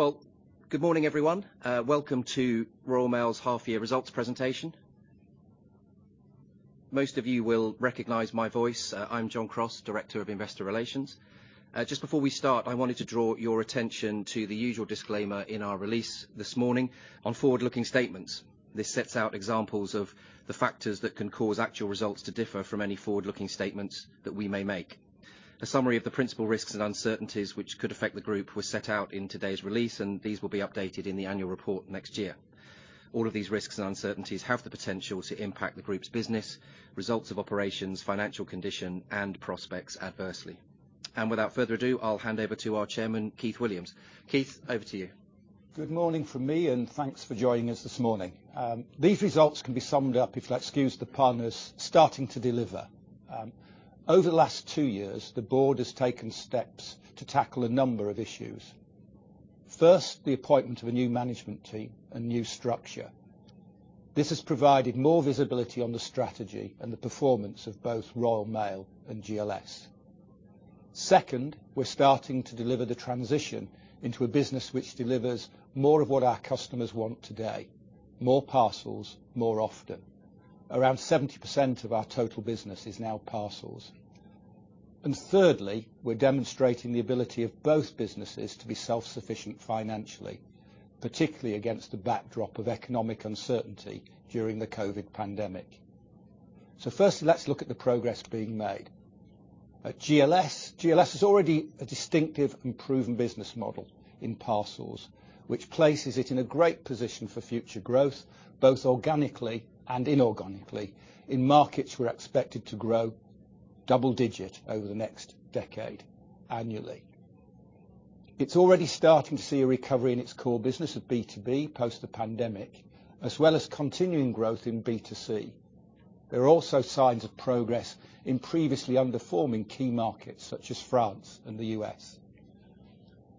Well, good morning, everyone. Welcome to Royal Mail's half results presentation. Most of you will recognize my voice. I'm John Crosse, Director of Investor Relations. Jt before we start, I wanted to draw your attention to the ual disclaimer in our release this morning on forward-looking statements. This sets out examples of the factors that can cause actual results to differ from any forward-looking statements that we may make. A summary of the principal risks and uncertainties which could affect the group were set out in today's release, and these will be updated in the annual report next year. All of these risks and uncertainties have the potential to impact the group's business, results of operations, financial condition, and prospects adversely. Without further ado, I'll hand over to our Chairman, Keith Williams. Keith, over to you. Good morning from me, and thanks for joining us this morning. These results can be summed up, if you excuse the pun, as starting to deliver. Over the last two years, the board has taken steps to tackle a number of issues. First, the appointment of a new management team and new structure. This has provided more visibility on the strategy and the performance of both Royal Mail and GLS. Second, we're starting to deliver the transition into a business which delivers more of what our customers want today, more parcels, more often. Around 70% of our total business is now parcels. Thirdly, we're demonstrating the ability of both businesses to be self-sufficient financially, particularly against the backdrop of economic uncertainty during the COVID pandemic. First, let's look at the progress being made. At GLS is already a distinctive and proven business model in parcels, which places it in a great position for future growth, both organically and inorganically in markets who are expected to grow double digit over the next decade annually. It's already starting to see a recovery in its core business of B2B post the pandemic, as well as continuing growth in B2C. There are also signs of progress in previously underperforming key markets such as France and the U.S.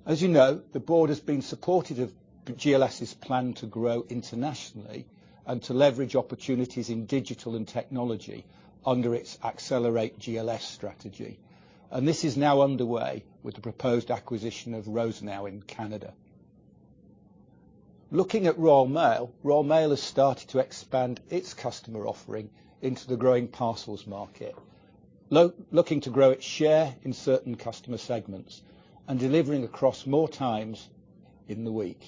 As you know, the board has been supportive of GLS's plan to grow internationally and to leverage opportunities in digital and technology under its Accelerate GLS strategy. This is now underway with the proposed acquisition of Rosenau Transport in Canada. Looking at Royal Mail, Royal Mail has started to expand its customer offering into the growing parcels market, looking to grow its share in certain customer segments and delivering across more times in the week.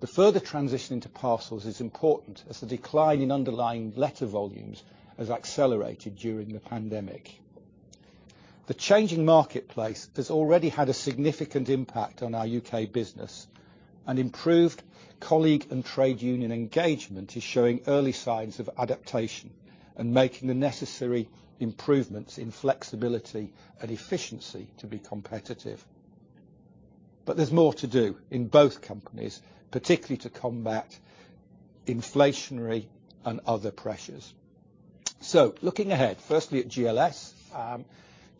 The further transition into parcels is important as the decline in underlying letter volumes has accelerated during the pandemic. The changing marketplace has already had a significant impact on our U.K. business, and improved colleague and trade union engagement is showing early signs of adaptation and making the necessary improvements in flexibility and efficiency to be competitive. There's more to do in both companies, particularly to combat inflationary and other pressures. Looking ahead, firstly at GLS.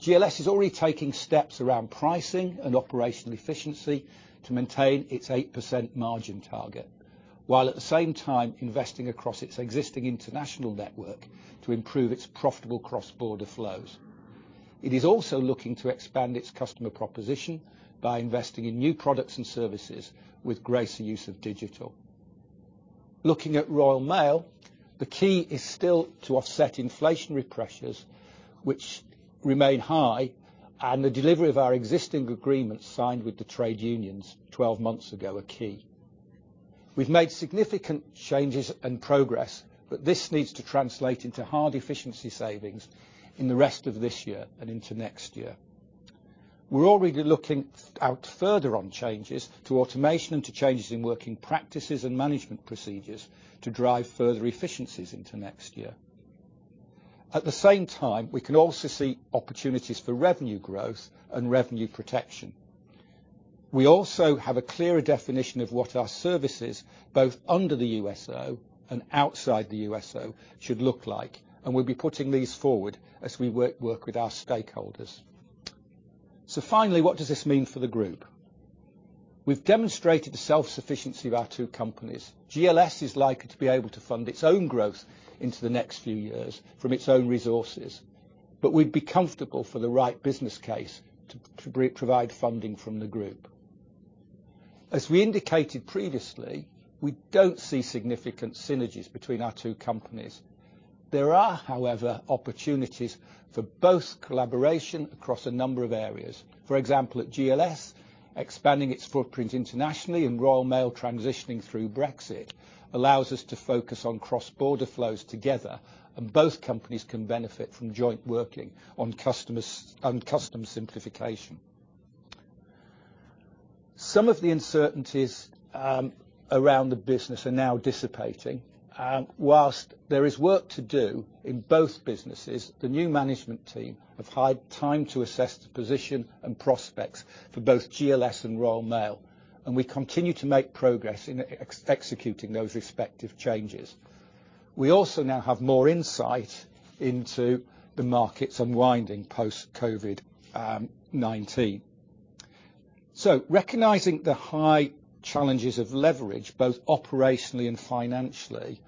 GLS is already taking steps around pricing and operational efficiency to maintain its 8% margin target, while at the same time investing across its existing international network to improve its profitable cross-border flows. It is also looking to expand its customer proposition by investing in new products and services with greater use of digital. Looking at Royal Mail, the key is still to offset inflationary pressures, which remain high, and the delivery of our existing agreement signed with the trade unions 12 months ago are key. We've made significant changes and progress, but this needs to translate into hard efficiency savings in the rest of this year and into next year. We're already looking out further on changes to automation, and to changes in working practices and management procedures to drive further efficiencies into next year. At the same time, we can also see opportunities for revenue growth and revenue protection. We also have a clearer definition of what our services, both under the USO and outside the USO, should look like, and we'll be putting these forward as we work with our stakeholders. Finally, what does this mean for the group? We've demonstrated the self-sufficiency of our two companies. GLS is likely to be able to fund its own growth into the next few years from its own resources, but we'd be comfortable for the right business case to provide funding from the group. As we indicated previously, we don't see significant synergies between our two companies. There are, however, opportunities for both collaboration across a number of areas. For example, at GLS, expanding its footprint internationally and Royal Mail transitioning through Brexit allows us to focus on cross-border flows together, and both companies can benefit from joint working on customs simplification. Some of the uncertainties around the business are now dissipating. While there is work to do in both businesses, the new management team have had time to assess the position and prospects for both GLS and Royal Mail, and we continue to make progress in executing those respective changes. We also now have more insight into the market's unwinding post-COVID-19. Recognizing the high challenges of leverage, both operationally and financially,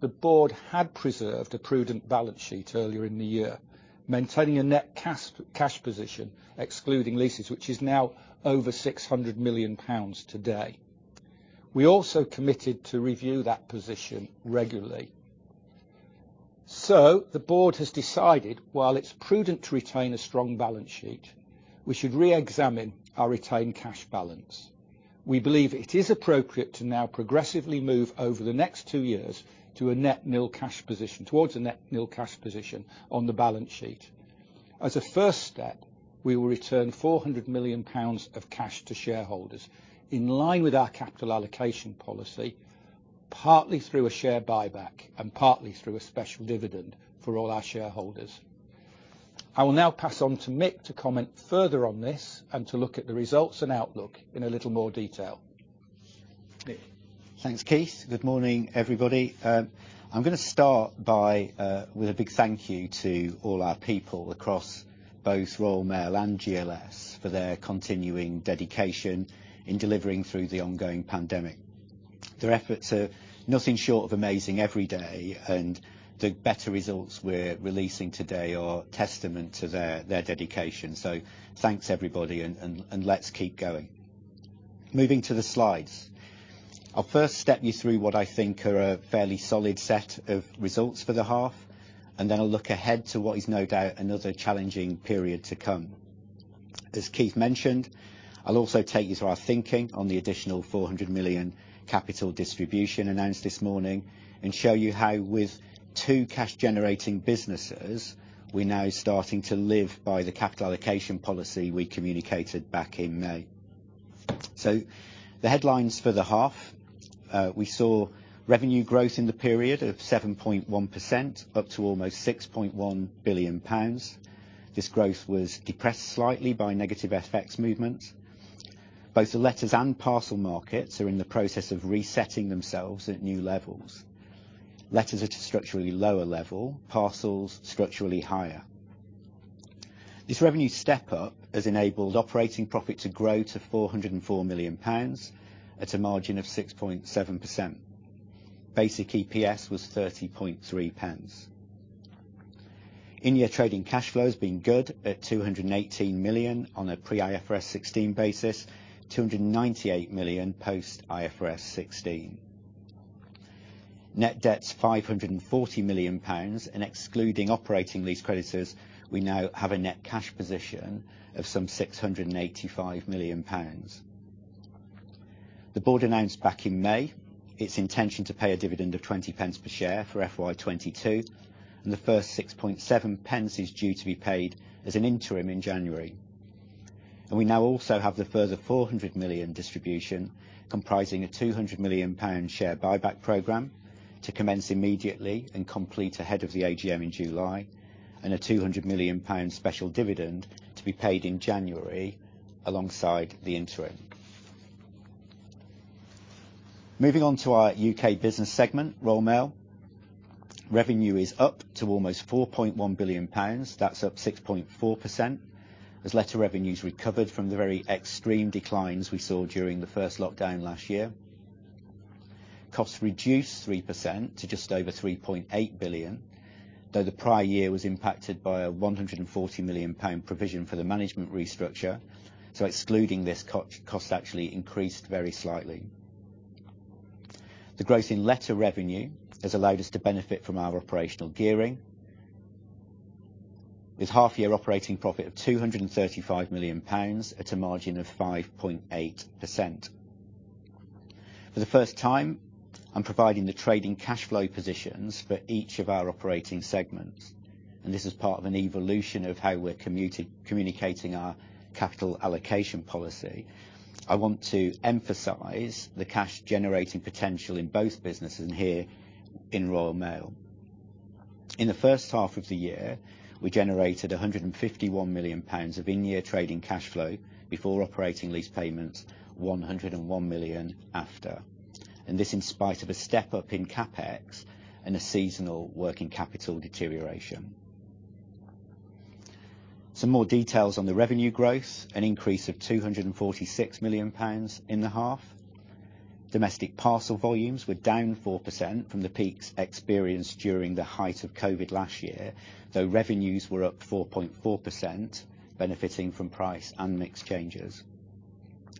the board had preserved a prudent balance sheet earlier in the year, maintaining a net cash position, excluding leases, which is now over 600 million pounds today. We also committed to review that position regularly. The board has decided, while it's prudent to retain a strong balance sheet, we should reexamine our retained cash balance. We believe it is appropriate to now progressively move over the next two years to a net nil cash position, towards a net nil cash position on the balance sheet. As a first step, we will return 400 million pounds of cash to shareholders in line with our capital allocation policy, partly through a share buyback and partly through a special dividend for all our shareholders. I will now pass on to Mick to comment further on this and to look at the results and outlook in a little more detail. Mick? Thanks, Keith. Good morning, everybody. I'm gonna start by with a big thank you to all our people across both Royal Mail and GLS for their continuing dedication in delivering through the ongoing pandemic. Their efforts are nothing short of amazing every day, and the better results we're releasing today are a testament to their dedication. Thanks, everybody, and let's keep going. Moving to the slides. I'll first step you through what I think are a fairly solid set of results for the half, and then I'll look ahead to what is no doubt another challenging period to come. As Keith mentioned, I'll also take you through our thinking on the additional 400 million capital distribution announced this morning and show you how, with two cash-generating businesses, we're now starting to live by the capital allocation policy we communicated back in May. The headlines for the half, we saw revenue growth in the period of 7.1% up to almost 6.1 billion pounds. This growth was depressed slightly by negative FX movements. Both the letters and parcel markets are in the process of resetting themselves at new levels. Letters at a structurally lower level, parcels structurally higher. This revenue step up has enabled operating profit to grow to 404 million pounds at a margin of 6.7%. Basic EPS was GBP 0.303. In-year trading cash flow has been good at 218 million on a pre-IFRS 16 basis, 298 million post IFRS 16. Net debt is 540 million pounds, and excluding operating lease creditors, we now have a net cash position of some 685 million pounds. The board announced back in May its intention to pay a dividend of 0.20 per share for FY 2022, and the first 6.7 pence is due to be paid as an interim in January. We now also have the further 400 million distribution, comprising a 200 million pound share buyback program to commence immediately and complete ahead of the AGM in July, and a 200 million pound special dividend to be paid in January alongside the interim. Moving on to our U.K. business segment, Royal Mail. Revenue is up to almost 4.1 billion pounds. That's up 6.4% as letter revenues recovered from the very extreme declines we saw during the first lockdown last year. Costs reduced 3% to just over 3.8 billion, though the prior year was impacted by a 140 million pound provision for the management restructure. Excluding this, cost actually increased very slightly. The growth in letter revenue has allowed us to benefit from our operational gearing. This half-year operating profit of 235 million pounds at a margin of 5.8%. For the first time, I'm providing the trading cash flow positions for each of our operating segments, and this is part of an evolution of how we're communicating our capital allocation policy. I want to emphasize the cash generating potential in both businesses and here in Royal Mail. In the first half of the year, we generated 151 million pounds of in-year trading cash flow before operating lease payments, 101 million after. This in spite of a step-up in CapEx and a seasonal working capital deterioration. Some more details on the revenue growth. An increase of 246 million pounds in the half. Domestic parcel volumes were down 4% from the peaks experienced during the height of COVID last year, though revenues were up 4.4% benefiting from price and mix changes.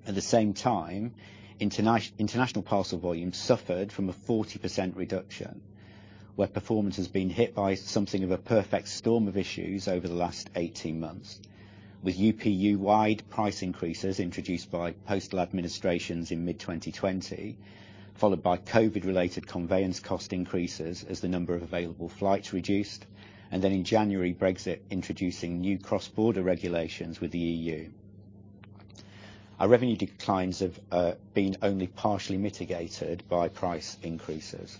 At the same time, international parcel volumes suffered from a 40% reduction, where performance has been hit by something of a perfect storm of issues over the last 18 months. With UPU-wide price increases introduced by postal administrations in mid-2020, followed by COVID-related conveyance cost increases as the number of available flights reduced, and then in January, Brexit introducing new cross-border regulations with the EU. Our revenue declines have been only partially mitigated by price increases.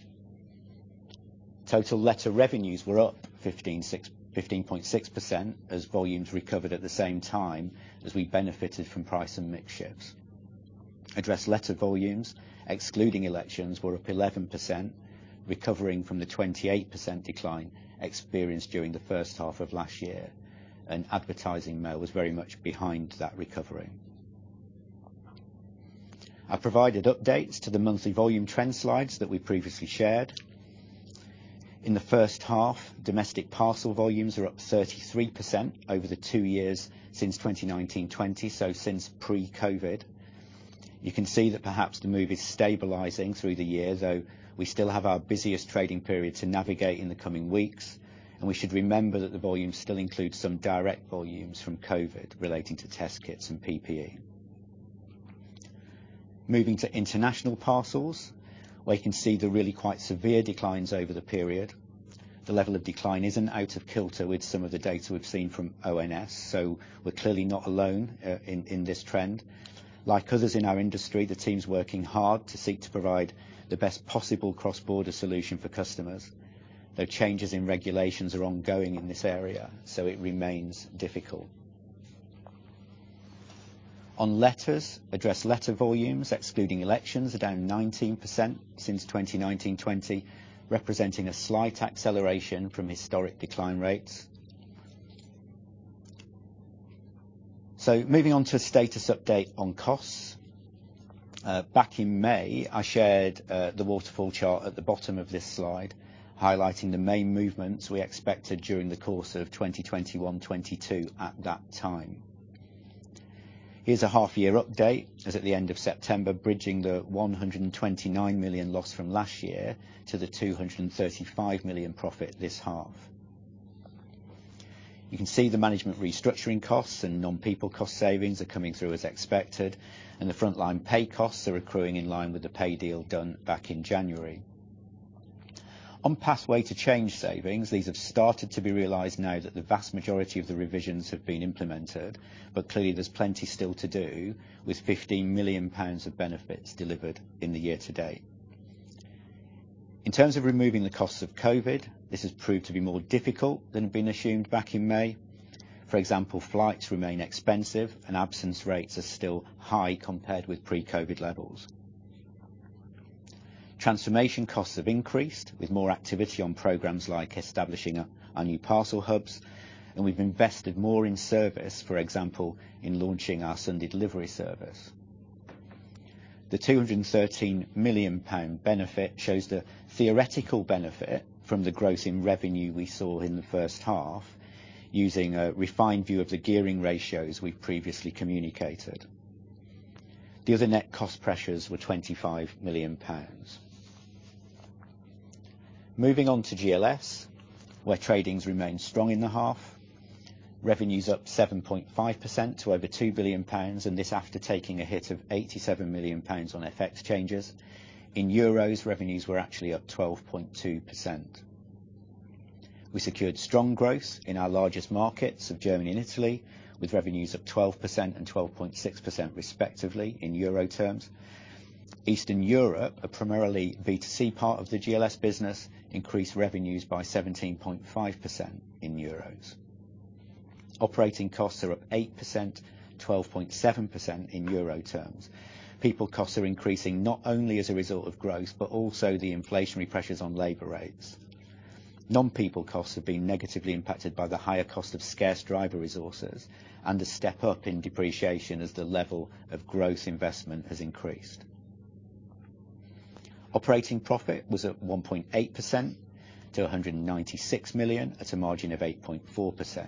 Total letter revenues were up 15.6% as volumes recovered at the same time as we benefited from price and mix shifts. Addressed letter volumes, excluding elections, were up 11%, recovering from the 28% decline experienced during the first half of last year. Advertising Mail was very much behind that recovery. I provided updates to the monthly volume trend slides that we previously shared. In the first half, domestic parcel volumes are up 33% over the two years since 2019-20, so since pre-COVID. You can see that perhaps the move is stabilizing through the year, though we still have our busiest trading period to navigate in the coming weeks, and we should remember that the volume still includes some direct volumes from COVID relating to test kits and PPE. Moving to international parcels, we can see the really quite severe declines over the period. The level of decline isn't out of kilter with some of the data we've seen from ONS, so we're clearly not alone in this trend. Like others in our industry, the team's working hard to seek to provide the best possible cross-border solution for customers, though changes in regulations are ongoing in this area, so it remains difficult. On letters, addressed letter volumes excluding elections are down 19% since 2019-20, representing a slight acceleration from historic decline rates. Moving on to a status update on costs. Back in May, I shared the waterfall chart at the bottom of this slide highlighting the main movements we expected during the course of 2021, 2022 at that time. Here's a half-year update, as at the end of September, bridging the 129 million loss from last year to the 235 million profit this half. You can see the management restructuring costs and non-people cost savings are coming through as expected, and the frontline pay costs are accruing in line with the pay deal done back in January. On Pathway to Change savings, these have started to be realized now that the vast majority of the revisions have been implemented, but clearly there's plenty still to do with 15 million pounds of benefits delivered in the year to date. In terms of removing the costs of COVID, this has proved to be more difficult than had been assumed back in May. For example, flights remain expensive and absence rates are still high compared with pre-COVID levels. Transformation costs have increased with more activity on programs like establishing our new parcel hubs, and we've invested more in service, for example, in launching our Sunday delivery service. The 213 million pound benefit shows the theoretical benefit from the growth in revenue we saw in the first half using a refined view of the gearing ratios we previously communicated. The other net cost pressures were 25 million pounds. Moving on to GLS, where trading has remained strong in the half. Revenue's up 7.5% to over 2 billion pounds, and this after taking a hit of 87 million pounds on FX changes. In euros, revenues were actually up 12.2%. We secured strong growth in our largest markets of Germany and Italy, with revenues of 12% and 12.6% respectively in euro terms. Eastern Europe, a primarily B2C part of the GLS business, increased revenues by 17.5% in euros. Operating costs are up 8%, 12.7% in euro terms. People costs are increasing not only as a result of growth, but also the inflationary pressures on labor rates. Non-people costs have been negatively impacted by the higher cost of scarce driver resources and a step-up in depreciation as the level of growth investment has increased. Operating profit was up 1.8% to 196 million at a margin of 8.4%.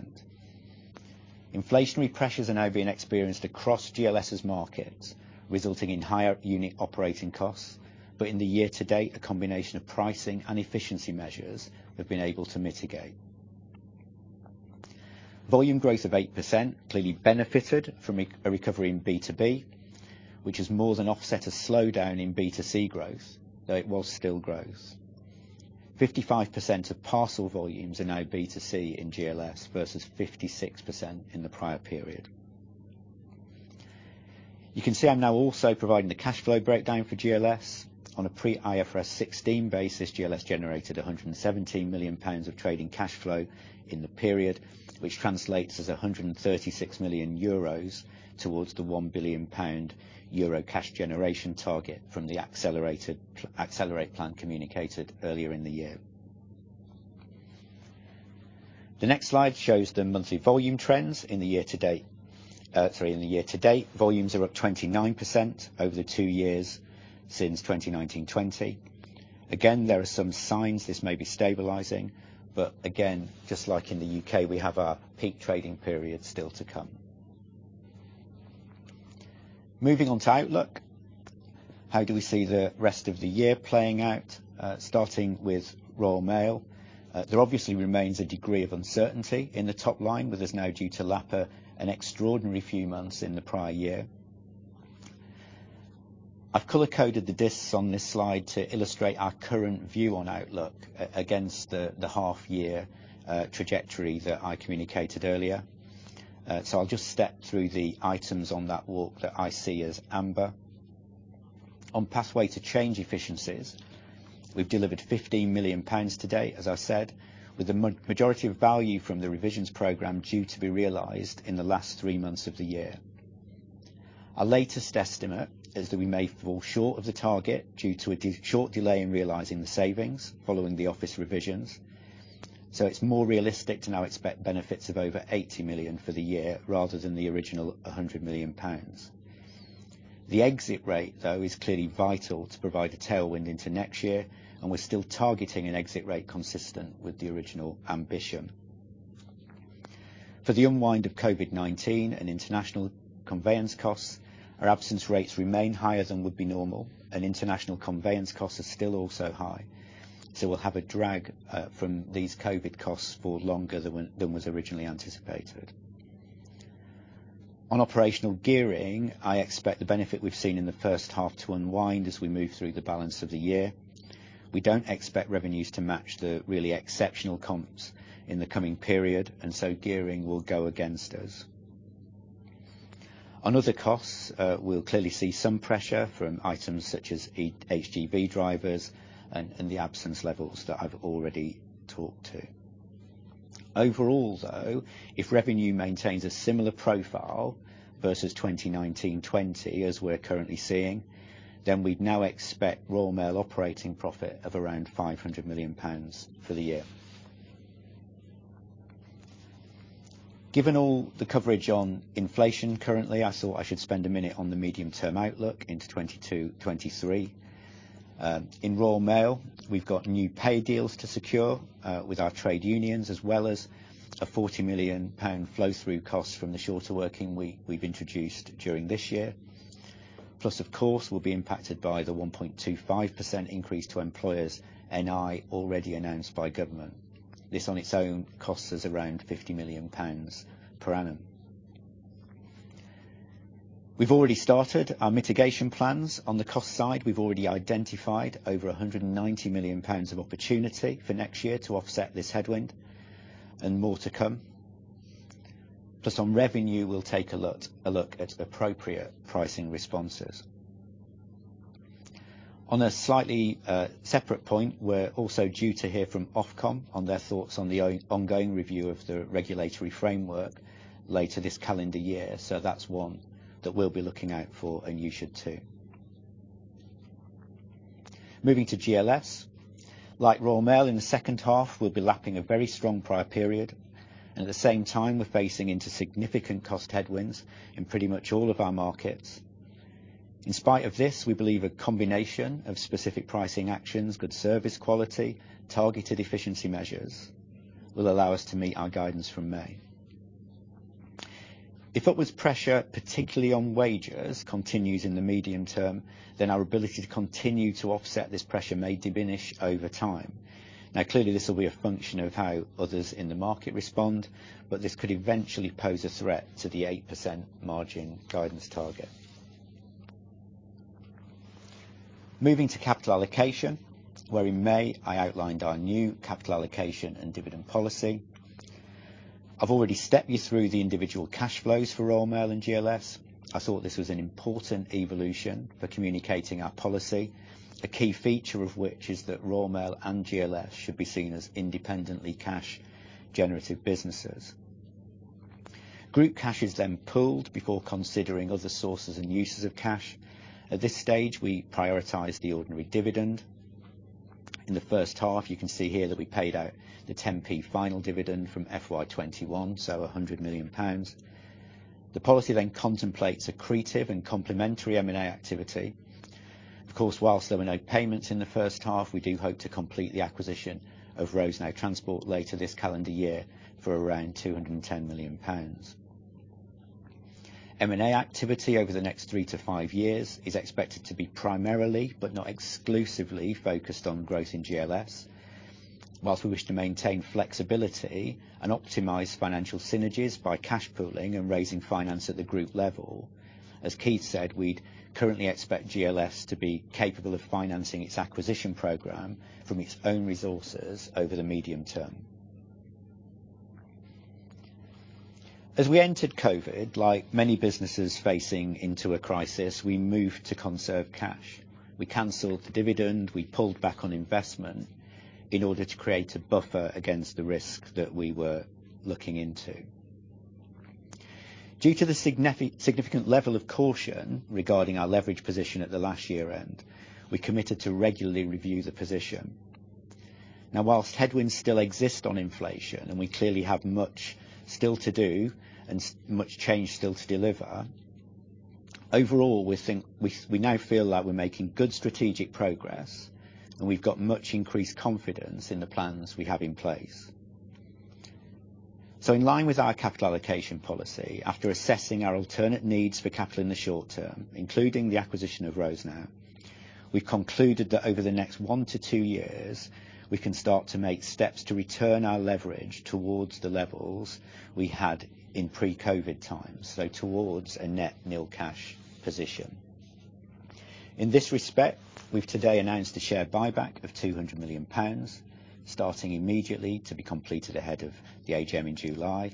Inflationary pressures are now being experienced across GLS's markets, resulting in higher unit operating costs. In the year to date, a combination of pricing and efficiency measures have been able to mitigate. Volume growth of 8% clearly benefited from a recovery in B2B, which has more than offset a slowdown in B2C growth, though it was still growth. 55% of parcel volumes are now B2C in GLS versus 56% in the prior period. You can see I'm now also providing the cash flow breakdown for GLS. On a pre-IFRS 16 basis, GLS generated 117 million pounds of trading cash flow in the period, which translates as 136 million euros towards the one billion euro cash generation target from the Accelerate plan communicated earlier in the year. The next slide shows the monthly volume trends in the year to date. Volumes are up 29% over the two years since 2019-20. Again, there are some signs this may be stabilizing, but again, just like in the U.K., we have our peak trading period still to come. Moving on to outlook. How do we see the rest of the year playing out? Starting with Royal Mail. There obviously remains a degree of uncertainty in the top line with us now due to lapping an extraordinary few months in the prior year. I've color-coded the discs on this slide to illustrate our current view on outlook against the half year trajectory that I communicated earlier. So I'll just step through the items on that walk that I see as amber. On Pathway to Change efficiencies, we've delivered 15 million pounds to date, as I said, with the majority of value from the revisions program due to be realized in the last three months of the year. Our latest estimate is that we may fall short of the target due to a short delay in realizing the savings following the office revisions. It's more realistic to now expect benefits of over 80 million for the year rather than the original 100 million pounds. The exit rate, though, is clearly vital to provide a tailwind into next year, and we're still targeting an exit rate consistent with the original ambition. For the unwind of COVID-19 and international conveyance costs, our absence rates remain higher than would be normal, and international conveyance costs are still also high. We'll have a drag from these COVID costs for longer than was originally anticipated. On operational gearing, I expect the benefit we've seen in the first half to unwind as we move through the balance of the year. We don't expect revenues to match the really exceptional comps in the coming period, and so gearing will go against us. On other costs, we'll clearly see some pressure from items such as HGV drivers and the absence levels that I've already talked to. Overall, though, if revenue maintains a similar profile versus 2019-20 as we're currently seeing, then we'd now expect Royal Mail operating profit of around 500 million pounds for the year. Given all the coverage on inflation currently, I thought I should spend a minute on the medium-term outlook into 2022, 2023. In Royal Mail, we've got new pay deals to secure with our trade unions, as well as a 40 million pound flow-through cost from the shorter working week we've introduced during this year. Of course, we'll be impacted by the 1.25% increase to employers' NI already announced by government. This on its own costs us around 50 million pounds per annum. We've already started our mitigation plans. On the cost side, we've already identified over 190 million pounds of opportunity for next year to offset this headwind, and more to come. On revenue, we'll take a look at appropriate pricing responses. On a slightly separate point, we're also due to hear from Ofcom on their thoughts on the ongoing review of the regulatory framework later this calendar year. That's one that we'll be looking out for and you should too. Moving to GLS. Like Royal Mail, in the second half, we'll be lapping a very strong prior period. At the same time, we're facing into significant cost headwinds in pretty much all of our markets. In spite of this, we believe a combination of specific pricing actions, good service quality, targeted efficiency measures will allow us to meet our guidance from May. If upwards pressure, particularly on wages, continues in the medium term, then our ability to continue to offset this pressure may diminish over time. Now, clearly, this will be a function of how others in the market respond, but this could eventually pose a threat to the 8% margin guidance target. Moving to capital allocation, where in May, I outlined our new capital allocation and dividend policy. I've already stepped you through the individual cash flows for Royal Mail and GLS. I thought this was an important evolution for communicating our policy, a key feature of which is that Royal Mail and GLS should be seen as independently cash generative businesses. Group cash is then pooled before considering other sources and uses of cash. At this stage, we prioritize the ordinary dividend. In the first half, you can see here that we paid out the 10p final dividend from FY 2021, so 100 million pounds. The policy then contemplates accretive and complementary M&A activity. Of course, while there were no payments in the first half, we do hope to complete the acquisition of Rosenau Transport later this calendar year for around 210 million pounds. M&A activity over the next three-five years is expected to be primarily, but not exclusively focused on growth in GLS. While we wish to maintain flexibility and optimize financial synergies by cash pooling and raising finance at the group level, as Keith said, we'd currently expect GLS to be capable of financing its acquisition program from its own resources over the medium term. As we entered COVID, like many businesses facing into a crisis, we moved to conserve cash. We canceled the dividend, we pulled back on investment in order to create a buffer against the risk that we were looking into. Due to the significant level of caution regarding our leverage position at the last year-end, we committed to regularly review the position. Now, while headwinds still exist on inflation, and we clearly have much still to do and much change still to deliver, overall, we now feel that we're making good strategic progress, and we've got much increased confidence in the plans we have in place. In line with our capital allocation policy, after assessing our alternative needs for capital in the short term, including the acquisition of Rosenau, we've concluded that over the next one-two years, we can start to make steps to return our leverage towards the levels we had in pre-COVID times, so towards a net nil cash position. In this respect, we've today announced a share buyback of 200 million pounds, starting immediately to be completed ahead of the AGM in July.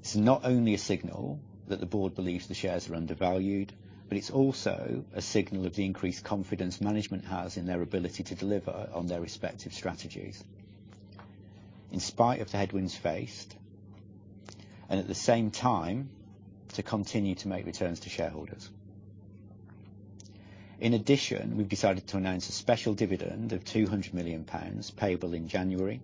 It's not only a signal that the board believes the shares are undervalued, but it's also a signal of the increased confidence management has in their ability to deliver on their respective strategies in spite of the headwinds faced, and at the same time, to continue to make returns to shareholders. In addition, we've decided to announce a special dividend of 200 million pounds payable in January.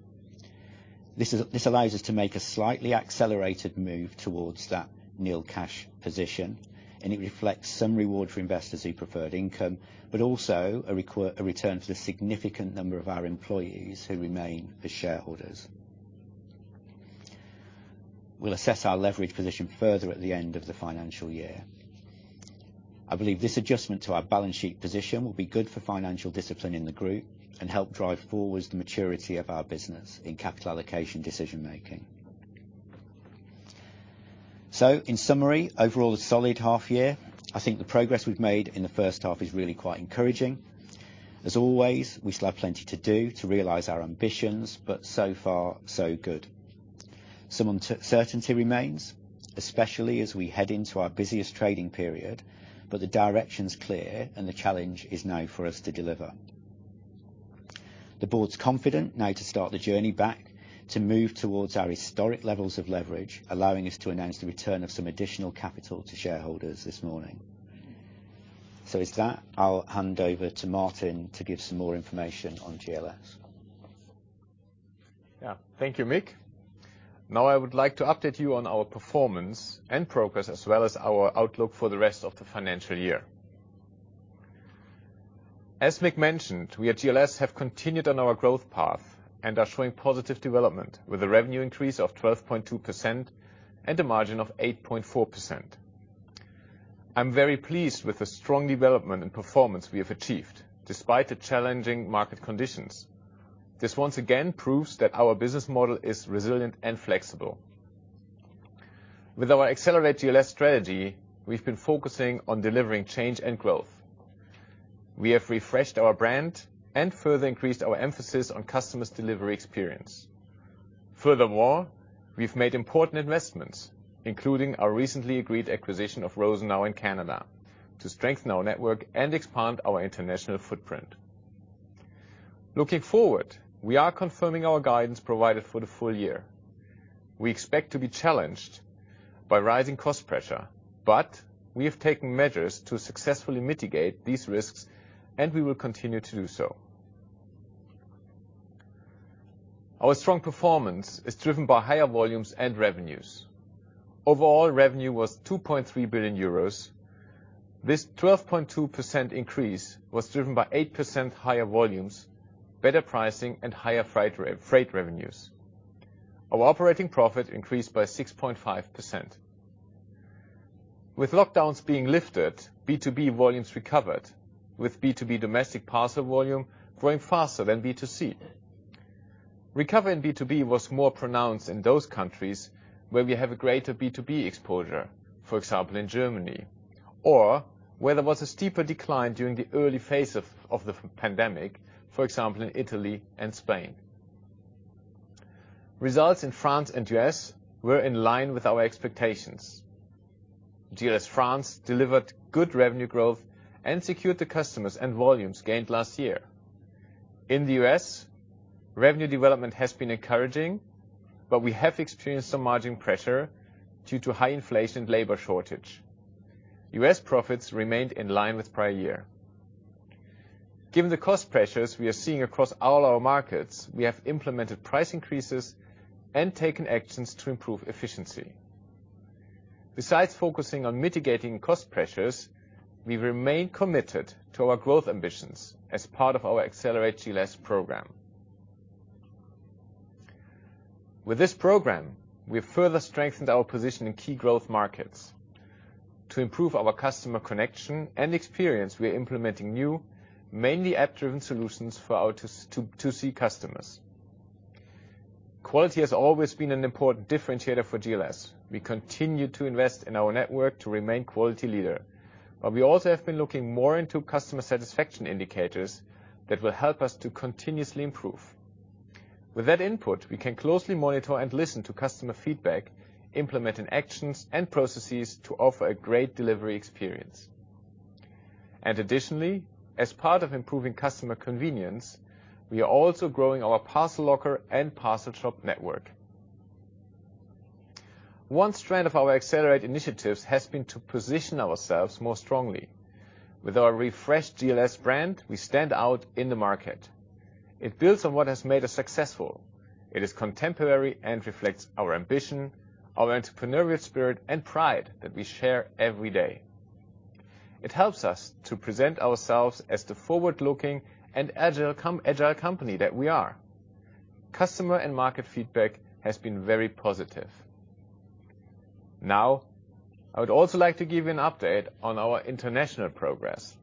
This allows us to make a slightly accelerated move towards that nil cash position, and it reflects some reward for investors who preferred income, but also a return for the significant number of our employees who remain as shareholders. We'll assess our leverage position further at the end of the financial year. I believe this adjustment to our balance sheet position will be good for financial discipline in the group and help drive forward the maturity of our business in capital allocation decision-making. In summary, overall a solid half year. I think the progress we've made in the first half is really quite encouraging. As always, we still have plenty to do to realize our ambitions, but so far so good. Some uncertainty remains, especially as we head into our busiest trading period, but the direction's clear and the challenge is now for us to deliver. The board's confident now to start the journey back to move towards our historic levels of leverage, allowing us to announce the return of some additional capital to shareholders this morning. With that, I'll hand over to Martin to give some more information on GLS. Yeah. Thank you, Mick. Now I would like to update you on our performance and progress, as well as our outlook for the rest of the financial year. As Mick mentioned, we at GLS have continued on our growth path and are showing positive development with a revenue increase of 12.2% and a margin of 8.4%. I'm very pleased with the strong development and performance we have achieved despite the challenging market conditions. This once again proves that our business model is resilient and flexible. With our Accelerate GLS strategy, we've been focusing on delivering change and growth. We have refreshed our brand and further increased our emphasis on customers' delivery experience. Furthermore, we've made important investments, including our recently agreed acquisition of Rosenau in Canada, to strengthen our network and expand our international footprint. Looking forward, we are confirming our guidance provided for the full year. We expect to be challenged by rising cost pressure, but we have taken measures to successfully mitigate these risks, and we will continue to do so. Our strong performance is driven by higher volumes and revenues. Overall, revenue was 2.3 billion euros. This 12.2% increase was driven by 8% higher volumes, better pricing, and higher freight revenues. Our operating profit increased by 6.5%. With lockdowns being lifted, B2B volumes recovered, with B2B domestic parcel volume growing faster than B2C. Recovery in B2B was more pronounced in those countries where we have a greater B2B exposure, for example, in Germany, or where there was a steeper decline during the early phase of the pandemic, for example, in Italy and Spain. Results in France and U.S. were in line with our expectations. GLS France delivered good revenue growth and secured the customers and volumes gained last year. In the U.S., revenue development has been encouraging, but we have experienced some margin pressure due to high inflation labor shortage. U.S. profits remained in line with prior year. Given the cost pressures we are seeing across all our markets, we have implemented price increases and taken actions to improve efficiency. Besides focusing on mitigating cost pressures, we remain committed to our growth ambitions as part of our Accelerate GLS program. With this program, we have further strengthened our position in key growth markets. To improve our customer connection and experience, we are implementing new, mainly app-driven solutions for our B2C customers. Quality has always been an important differentiator for GLS. We continue to invest in our network to remain quality leader, but we also have been looking more into customer satisfaction indicators that will help us to continuously improve. With that input, we can closely monitor and listen to customer feedback, implementing actions and processes to offer a great delivery experience. Additionally, as part of improving customer convenience, we are also growing our parcel locker and parcel shop network. One strand of our Accelerate initiatives has been to position ourselves more strongly. With our refreshed GLS brand, we stand out in the market. It builds on what has made us successful. It is contemporary and reflects our ambition, our entrepreneurial spirit, and pride that we share every day. It helps us to present ourselves as the forward-looking and agile company that we are. Customer and market feedback has been very positive. Now, I would also like to give you an update on our international progress.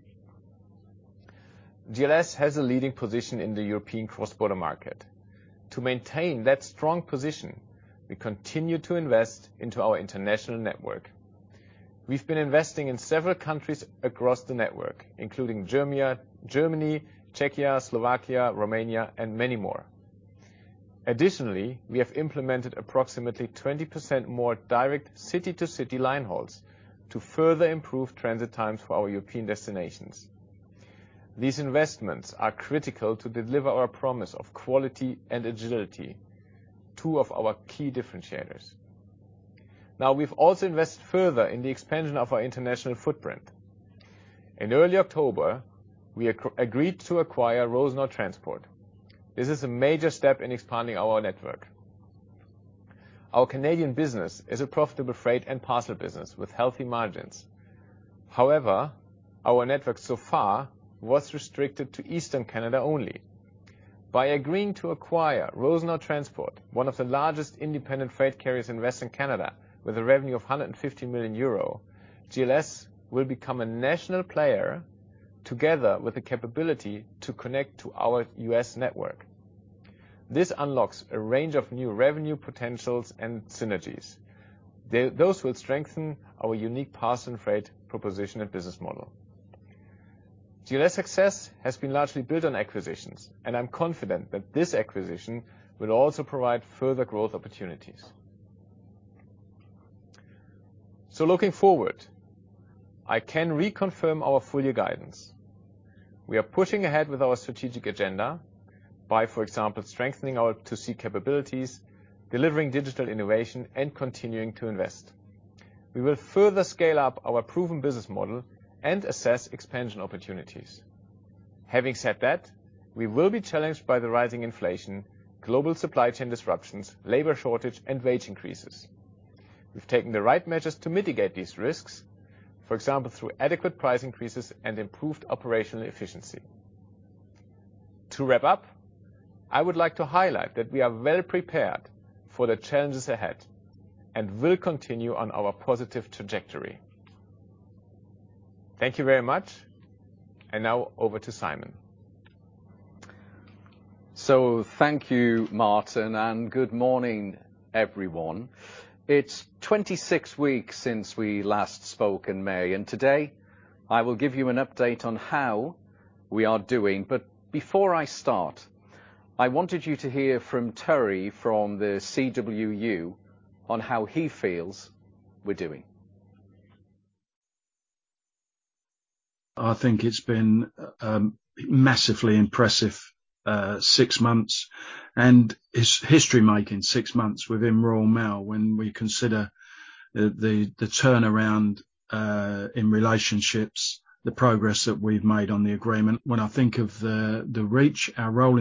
GLS has a leading position in the European cross-border market. To maintain that strong position, we continue to invest into our international network. We've been investing in several countries across the network, including Germany, Czechia, Slovakia, Romania, and many more. Additionally, we have implemented approximately 20% more direct city-to-city line hauls to further improve transit times for our European destinations. These investments are critical to deliver our promise of quality and agility, two of our key differentiators. Now, we've also invested further in the expansion of our international footprint. In early October, we agreed to acquire Rosenau Transport. This is a major step in expanding our network. Our Canadian business is a profitable freight and parcel business with healthy margins. However, our network so far was restricted to Eastern Canada only. By agreeing to acquire Rosenau Transport, one of the largest independent freight carriers in Western Canada, with revenue of 150 million euro, GLS will become a national player together with the capability to connect to our U.S. network. This unlocks a range of new revenue potentials and synergies. Those will strengthen our unique parcel and freight proposition and business model. GLS success has been largely built on acquisitions, and I'm confident that this acquisition will also provide further growth opportunities. Looking forward, I can reconfirm our full year guidance. We are pushing ahead with our strategic agenda by, for example, strengthening our B2C capabilities, delivering digital innovation and continuing to invest. We will further scale up our proven business model and assess expansion opportunities. Having said that, we will be challenged by the rising inflation, global supply chain disruptions, labor shortage, and wage increases. We've taken the right measures to mitigate these risks, for example, through adequate price increases and improved operational efficiency. To wrap up, I would like to highlight that we are well prepared for the challenges ahead and will continue on our positive trajectory. Thank you very much. Now over to Simon. Thank you, Martin, and good morning, everyone. It's 26 weeks since we last spoke in May, and today I will give you an update on how we are doing. Before I start, I wanted you to hear from Terry, from the CWU on how he feels we're doing. I think it's been massively impressive six months and history-making six months within Royal Mail when we consider the turnaround in relationships, the progress that we've made on the agreement. When I think of the reach, our role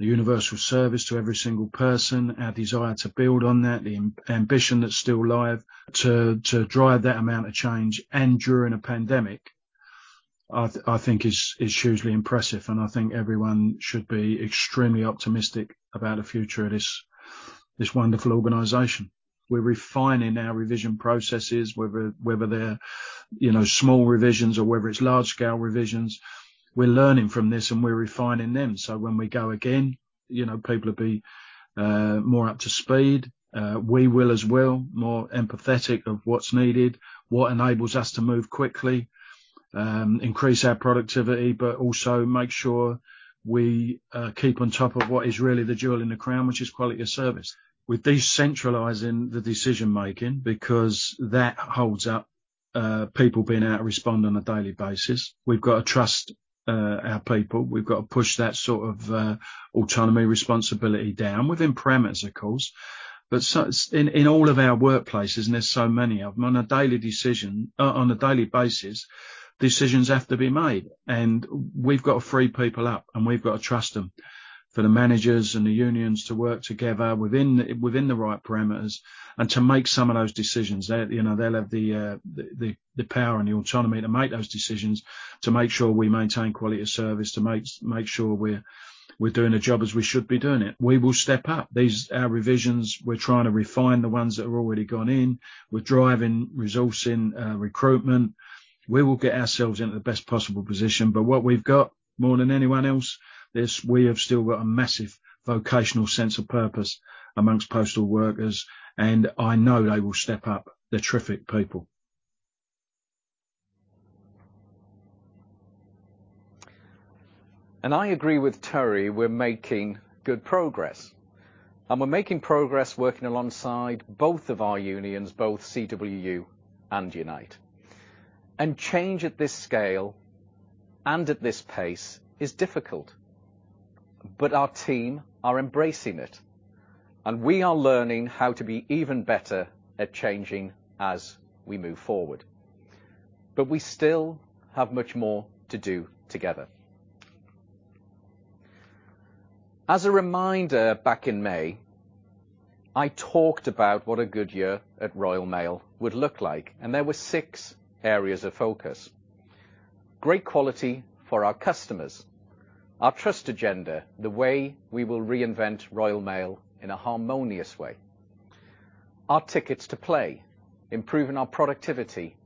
in society, the universal service to every single person, our desire to build on that, the ambition that's still live to drive that amount of change and during a pandemic, I think is hugely impressive and I think everyone should be extremely optimistic about the future of this wonderful organization. We're refining our revision processes, whether they're, small revisions or whether it's large-scale revisions. We're learning from this and we're refining them. So, when we go again, people will be more up to speed. We will as well more empathetic of what's needed, what enables us to move quickly, increase our productivity, but also make sure we keep on top of what is really the jewel in the crown, which is quality of service. With these centralizing the decision making, because that holds up people being able to respond on a daily basis. We've gotta trust our people. We've gotta push that sort of autonomy, responsibility down within parameters, of course. It's in all of our workplaces, and there's so many of them on a daily basis, decisions have to be made, and we've got to free people up, and we've got to trust them for the managers and the unions to work together within the right parameters and to make some of those decisions. They'll have the power and the autonomy to make those decisions, to make sure we maintain quality of service, to make sure we're doing a job as we should be doing it. We will step up. These, our revisions, we're trying to refine the ones that have already gone in. We're driving resourcing, recruitment. We will get ourselves into the best possible position. What we've got more than anyone else is we have still got a massive vocational sense of purpose amongst postal workers, and I know they will step up. They're terrific people. I agree with Terry, we're making good progress. We're making progress working alongside both of our unions, both CWU and Unite. Change at this scale and at this pace is difficult. Our team are embracing it, and we are learning how to be even better at changing as we move forward. We still have much more to do together. As a reminder, back in May, I talked about what a good year at Royal Mail would look like, and there were six areas of focus. Great quality for our customers. Our trust agenda, the way we will reinvent Royal Mail in a harmonious way. Our tickets to play, improving our productivity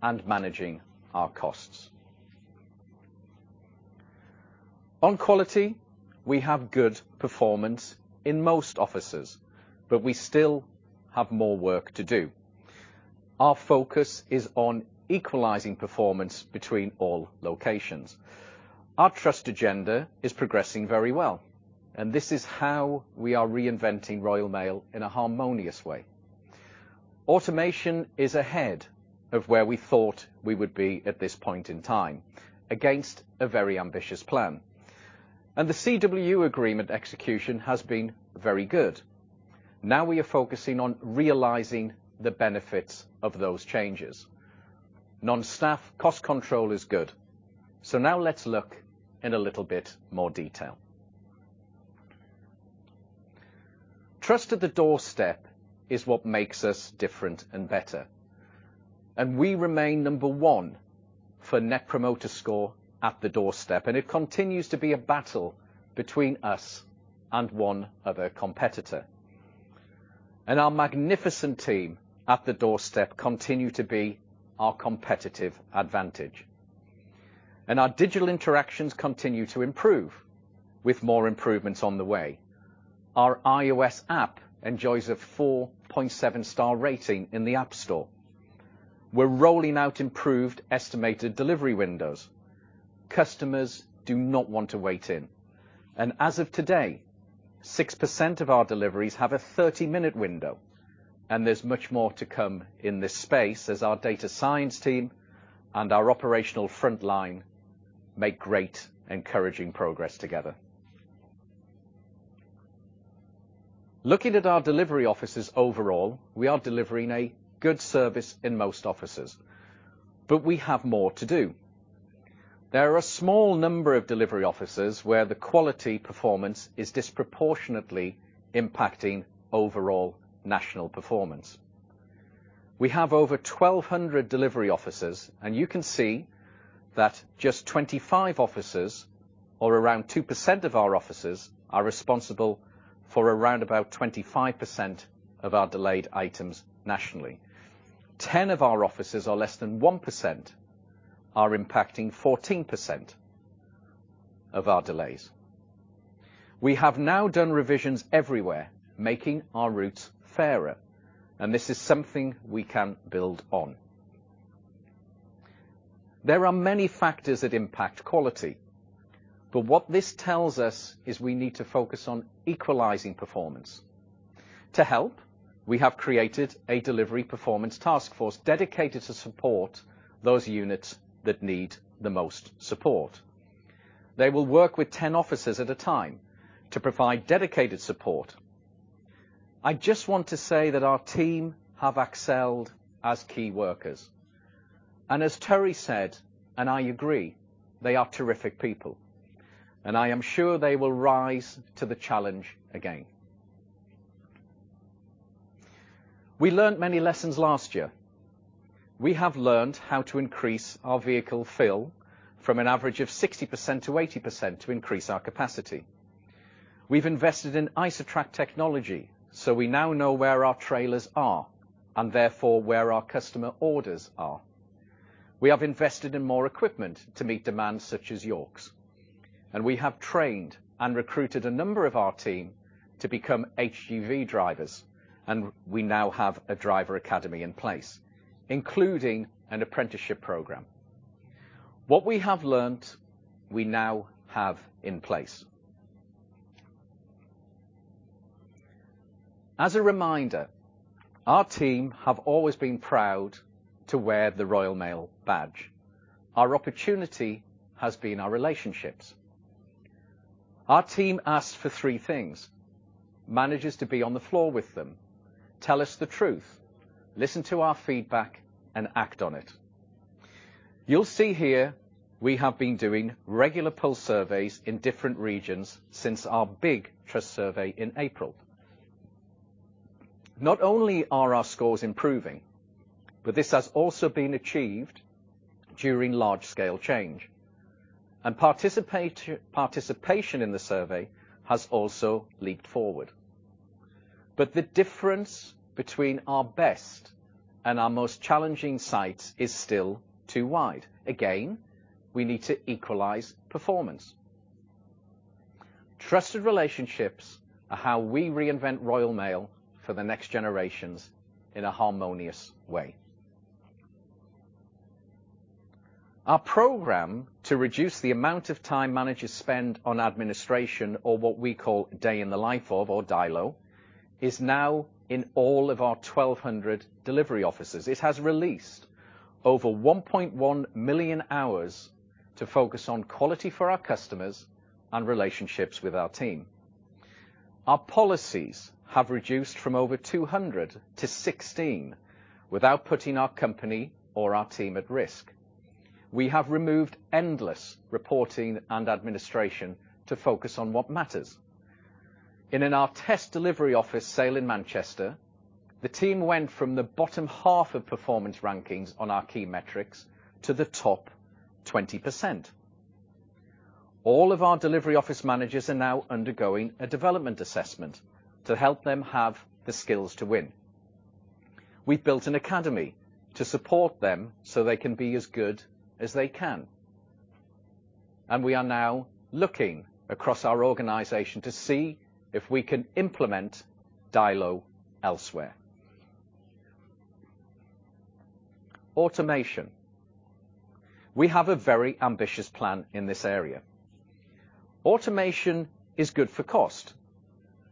and managing our costs. On quality, we have good performance in most offices, but we still have more work to do. Our focus is on equalizing performance between all locations. Our trust agenda is progressing very well, and this is how we are reinventing Royal Mail in a harmonious way. Automation is ahead of where we thought we would be at this point in time against a very ambitious plan. The CW agreement execution has been very good. Now we are focusing on realizing the benefits of those changes. Non-staff cost control is good. Now let's look in a little bit more detail. Trust at the doorstep is what makes us different and better, and we remain number one for Net Promoter Score at the doorstep. It continues to be a battle between us and one other competitor. Our magnificent team at the doorstep continue to be our competitive advantage. Our digital interactions continue to improve with more improvements on the way. Our iOS app enjoys a 4.7 star rating in the App Store. We're rolling out improved estimated delivery windows. Customers do not want to wait in. As of today, 6% of our deliveries have a 30-minute window, and there's much more to come in this space as our data science team and our operational front line make great encouraging progress together. Looking at our delivery offices overall, we are delivering a good service in most offices, but we have more to do. There are a small number of delivery offices where the quality performance is disproportionately impacting overall national performance. We have over 1,200 delivery offices, and you can see that just 25 offices, or around 2% of our offices, are responsible for around 25% of our delayed items nationally. 10 of our offices are less than 1%, are impacting 14% of our delays. We have now done revisions everywhere, making our routes fairer, and this is something we can build on. There are many factors that impact quality, but what this tells us is we need to focus on equalizing performance. To help, we have created a delivery performance task force dedicated to support those units that need the most support. They will work with 10 offices at a time to provide dedicated support. I just want to say that our team have excelled as key workers. As Terry said, and I agree, they are terrific people, and I am sure they will rise to the challenge again. We learned many lessons last year. We have learned how to increase our vehicle fill from an average of 60% to 80% to increase our capacity. We've invested in Isotrak technology, so we now know where our trailers are and therefore where our customer orders are. We have invested in more equipment to meet demands such as Yorks, and we have trained and recruited a number of our team to become HGV drivers, and we now have a driver academy in place, including an apprenticeship program. What we have learned, we now have in place. As a reminder, our team have always been proud to wear the Royal Mail badge. Our opportunity has been our relationships. Our team asks for three things. Managers to be on the floor with them, tell us the truth, listen to our feedback and act on it. You'll see here we have been doing regular pulse surveys in different regions since our big trust survey in April. Not only are our scores improving, but this has also been achieved during large-scale change. Participation in the survey has also leaped forward. The difference between our best and our most challenging sites is still too wide. Again, we need to equalize performance. Trusted relationships are how we reinvent Royal Mail for the next generations in a harmonious way. Our program to reduce the amount of time managers spend on administration or what we call day in the life of or DILO, is now in all of our 1,200 delivery offices. It has released over 1.1 million hours to focus on quality for our customers and relationships with our team. Our policies have reduced from over 200 to 16 without putting our company or our team at risk. We have removed endless reporting and administration to focus on what matters. In our test delivery office Sale in Manchester, the team went from the bottom half of performance rankings on our key metrics to the top 20%. All of our delivery office managers are now undergoing a development assessment to help them have the skills to win. We've built an academy to support them so they can be as good as they can. We are now looking across our organization to see if we can implement DILO elsewhere. Automation. We have a very ambitious plan in this area. Automation is good for cost,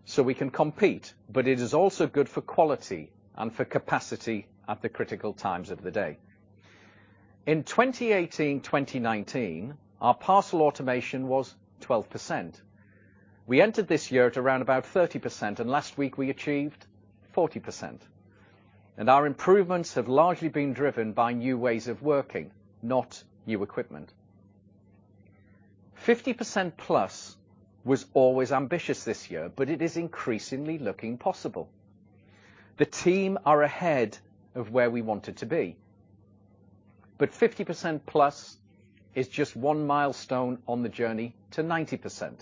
so we can compete, but it is also good for quality and for capacity at the critical times of the day. In 2018, 2019, our parcel automation was 12%. We entered this year at around about 30%, and last week we achieved 40%. Our improvements have largely been driven by new ways of working, not new equipment. 50%+ was always ambitious this year, but it is increasingly looking possible. The team are ahead of where we wanted to be. 50%+ is just one milestone on the journey to 90%.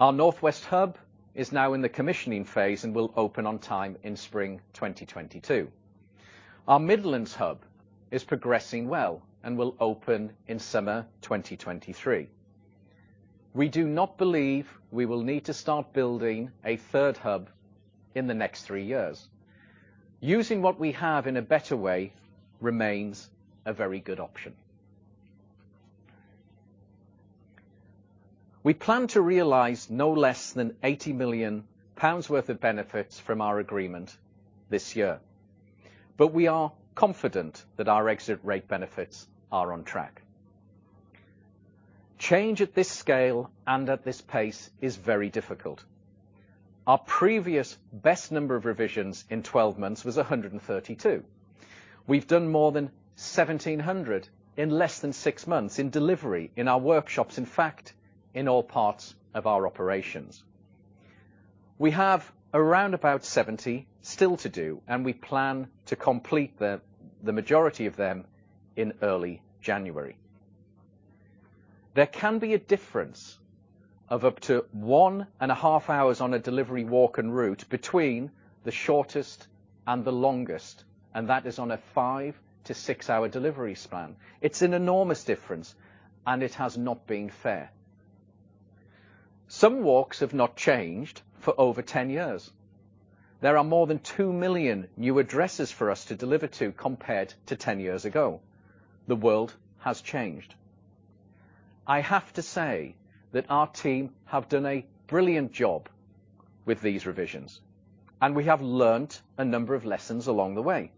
Our Northwest Hub is now in the commissioning phase and will open on time in spring 2022. Our Midlands Hub is progressing well and will open in summer 2023. We do not believe we will need to start building a third hub in the next three years. Using what we have in a better way remains a very good option. We plan to realize no less than 80 million pounds worth of benefits from our agreement this year. We are confident that our exit rate benefits are on track. Change at this scale and at this pace is very difficult. Our previous best number of revisions in 12 months was 132. We've done more than 1,700 in less than 6 months in delivery in our workshops, in fact, in all parts of our operations. We have around about 70 still to do, and we plan to complete the majority of them in early January. There can be a difference of up to 1.5 hours on a delivery walk and route between the shortest and the longest, and that is on a 5- to 6-hour delivery span. It's an enormous difference, and it has not been fair. Some walks have not changed for over 10 years. There are more than 2 million new addresses for us to deliver to compared to 10 years ago. The world has changed. I have to say that our team have done a brilliant job with these revisions, and we have learned a number of lessons along the way.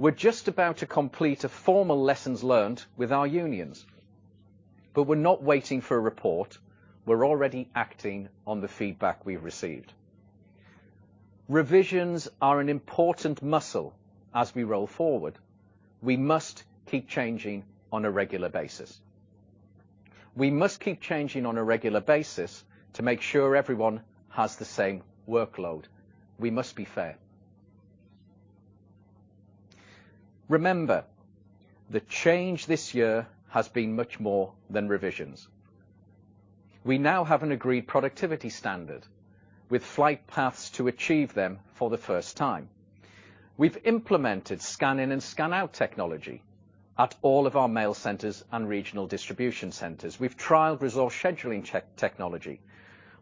We're just about to complete a formal lessons learned with our unions. We're not waiting for a report, we're already acting on the feedback we received. Revisions are an important muscle as we roll forward. We must keep changing on a regular basis to make sure everyone has the same workload. We must be fair. Remember, the change this year has been much more than revisions. We now have an agreed productivity standard with flight paths to achieve them for the first time. We've implemented scan in and scan out technology at all of our mail centers and regional distribution centers. We've trialed resource scheduling technology.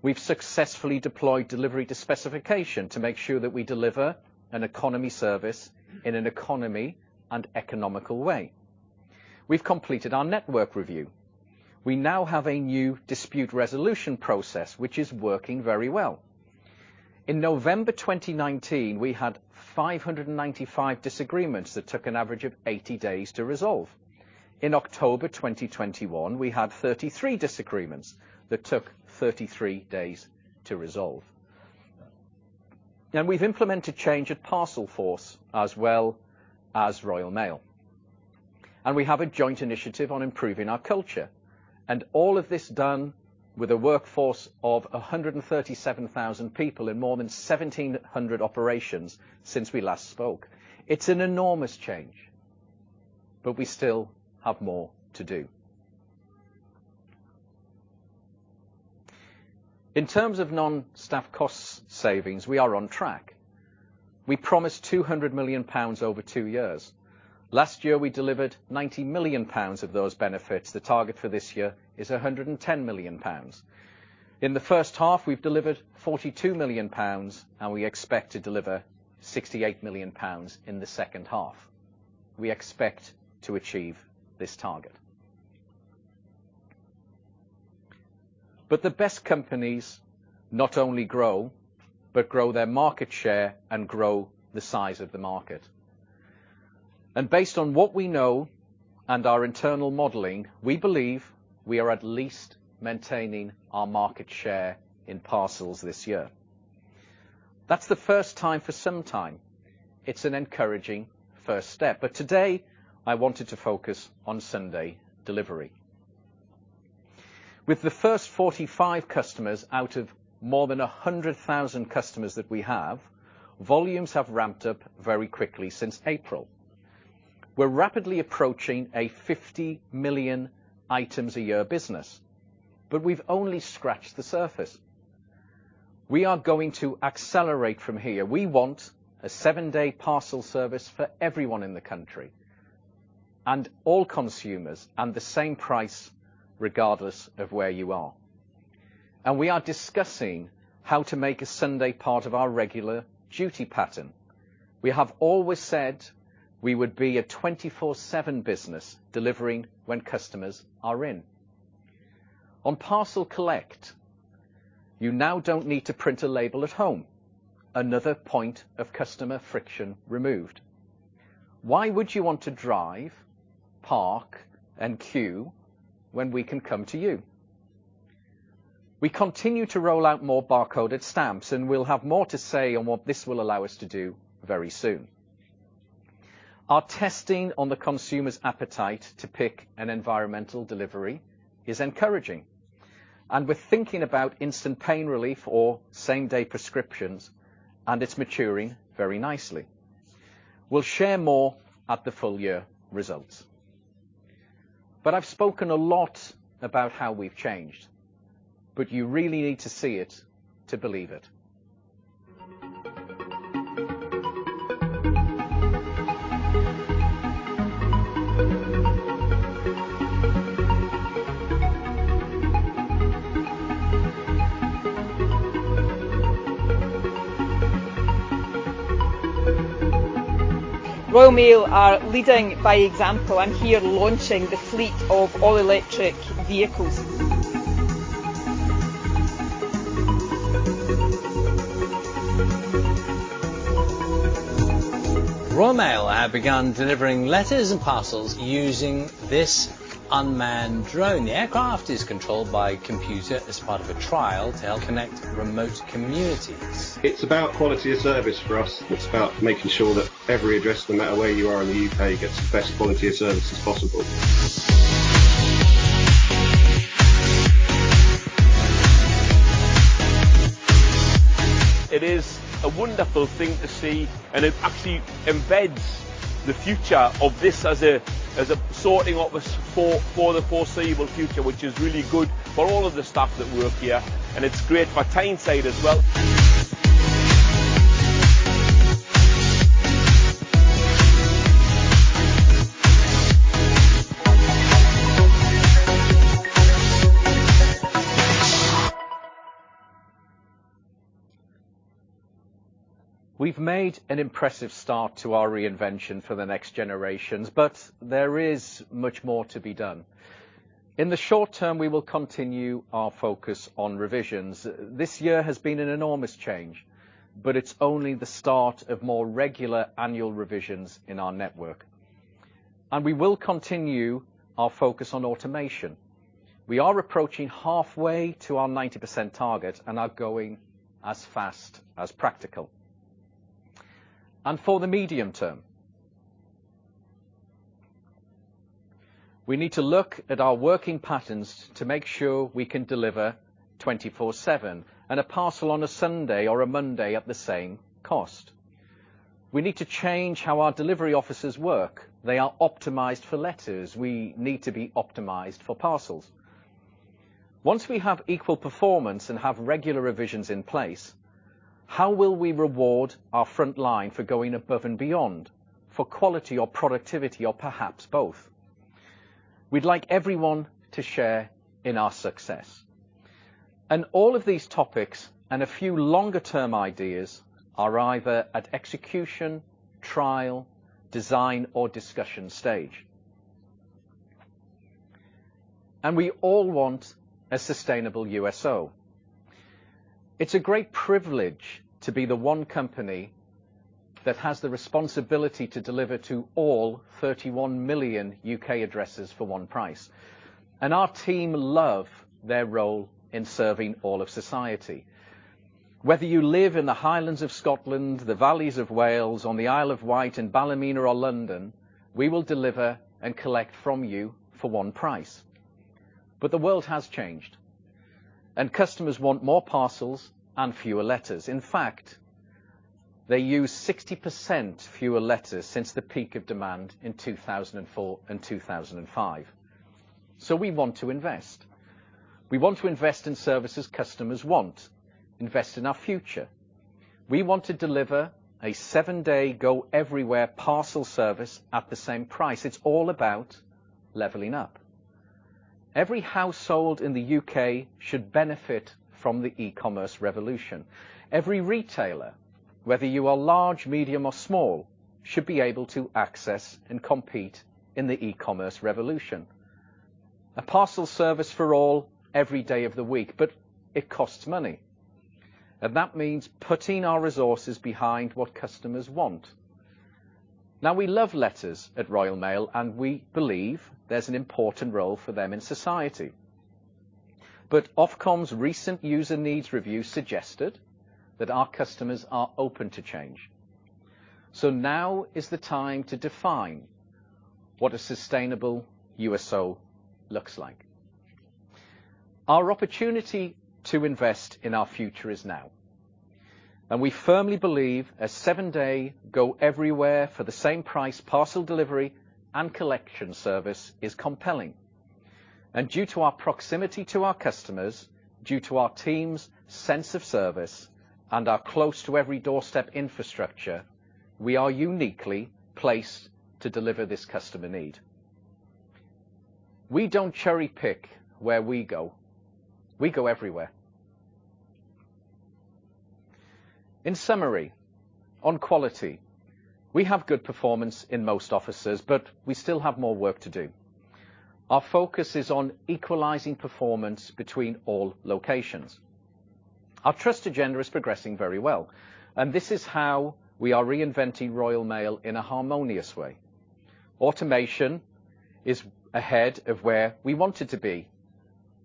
We've successfully deployed delivery to specification to make sure that we deliver an economy service in an economy and economical way. We've completed our network review. We now have a new dispute resolution process, which is working very well. In November 2019, we had 595 disagreements that took an average of 80 days to resolve. In October 2021, we had 33 disagreements that took 33 days to resolve. Now we've implemented change at Parcelforce as well as Royal Mail. We have a joint initiative on improving our culture. All of this done with a workforce of 137,000 people in more than 1,700 operations since we last spoke. It's an enormous change, but we still have more to do. In terms of non-staff cost savings, we are on track. We promised 200 million pounds over two years. Last year, we delivered 90 million pounds of those benefits. The target for this year is 110 million pounds. In the first half, we've delivered 42 million pounds, and we expect to deliver 68 million pounds in the second half. We expect to achieve this target. The best companies not only grow, but grow their market share and grow the size of the market. Based on what we know and our internal modeling, we believe we are at least maintaining our market share in parcels this year. That's the first time for some time. It's an encouraging first step. Today, I wanted to focus on Sunday delivery. With the first 45 customers out of more than 100,000 customers that we have, volumes have ramped up very quickly since April. We're rapidly approaching a 50 million items a year business, but we've only scratched the surface. We are going to accelerate from here. We want a 7-day parcel service for everyone in the country, and all consumers, and the same price regardless of where you are. We are discussing how to make a Sunday part of our regular duty pattern. We have always said we would be a 24/7 business delivering when customers are in. On Parcel Collect, you now don't need to print a label at home, another point of customer friction removed. Why would you want to drive, park, and queue when we can come to you? We continue to roll out more barcoded stamps, and we'll have more to say on what this will allow us to do very soon. Our testing on the consumer's appetite to pick an environmental delivery is encouraging, and we're thinking about instant pain relief or same-day prescriptions, and it's maturing very nicely. We'll share more at the full year results. I've spoken a lot about how we've changed, but you really need to see it to believe it. Royal Mail are leading by example. I'm here launching the fleet of all electric vehicles. Royal Mail have begun delivering letters and parcels using this unmanned drone. The aircraft is controlled by computer as part of a trial to help connect remote communities. It's about quality of service for us. It's about making sure that every address, no matter where you are in the U.K., gets the best quality of service as possible. It is a wonderful thing to see, and it actually embeds the future of this as a sorting office for the foreseeable future, which is really good for all of the staff that work here, and it's great for Tyneside as well. We've made an impressive start to our reinvention for the next generations, but there is much more to be done. In the short term, we will continue our focus on revisions. This year has been an enormous change, but it's only the start of more regular annual revisions in our network. We will continue our focus on automation. We are approaching halfway to our 90% target and are going as fast as practical. For the medium term, we need to look at our working patterns to make sure we can deliver 24/7 and a parcel on a Sunday or a Monday at the same cost. We need to change how our delivery offices work. They are optimized for letters. We need to be optimized for parcels. Once we have equal performance and have regular revisions in place, how will we reward our front line for going above and beyond for quality or productivity or perhaps both? We'd like everyone to share in our success. All of these topics and a few longer term ideas are either at execution, trial, design, or discussion stage. We all want a sustainable USO. It's a great privilege to be the one company that has the responsibility to deliver to all 31 million U.K. addresses for one price, and our team love their role in serving all of society. Whether you live in the Highlands of Scotland, the Valleys of Wales, on the Isle of Wight, in Ballymena or London, we will deliver and collect from you for one price. The world has changed, and customers want more parcels and fewer letters. In fact, they use 60% fewer letters since the peak of demand in 2004 and 2005. We want to invest. We want to invest in services customers want, invest in our future. We want to deliver a 7-day, go everywhere parcel service at the same price. It's all about leveling up. Every household in the U.K. should benefit from the e-commerce revolution. Every retailer, whether you are large, medium, or small, should be able to access and compete in the e-commerce revolution. A parcel service for all every day of the week, but it costs money, and that means putting our resources behind what customers want. Now, we love letters at Royal Mail, and we believe there's an important role for them in society. Ofcom's recent user needs review suggested that our customers are open to change. Now is the time to define what a sustainable USO looks like. Our opportunity to invest in our future is now. We firmly believe a seven-day go everywhere for the same price parcel delivery and collection service is compelling. Due to our proximity to our customers, due to our team's sense of service and our close-to-every-doorstep infrastructure, we are uniquely placed to deliver this customer need. We don't cherry-pick where we go. We go everywhere. In summary, on quality, we have good performance in most offices, but we still have more work to do. Our focus is on equalizing performance between all locations. Our trust agenda is progressing very well, and this is how we are reinventing Royal Mail in a harmonious way. Automation is ahead of where we want it to be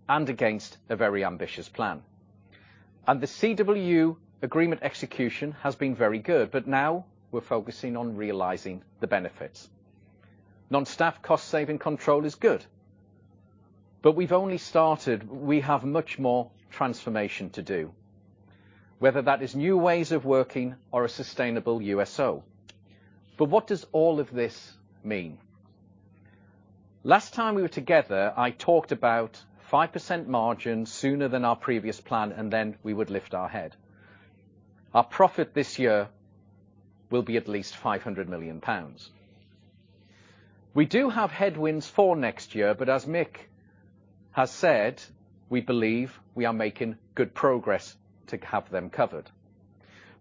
and against a very ambitious plan. The CWU agreement execution has been very good, but now we're focusing on realizing the benefits. Non-staff cost-saving control is good, but we've only started. We have much more transformation to do, whether that is new ways of working or a sustainable USO. What does all of this mean? Last time we were together, I talked about 5% margin sooner than our previous plan, and then we would lift our head. Our profit this year will be at least 500 million pounds. We do have headwinds for next year, but as Mick has said, we believe we are making good progress to have them covered.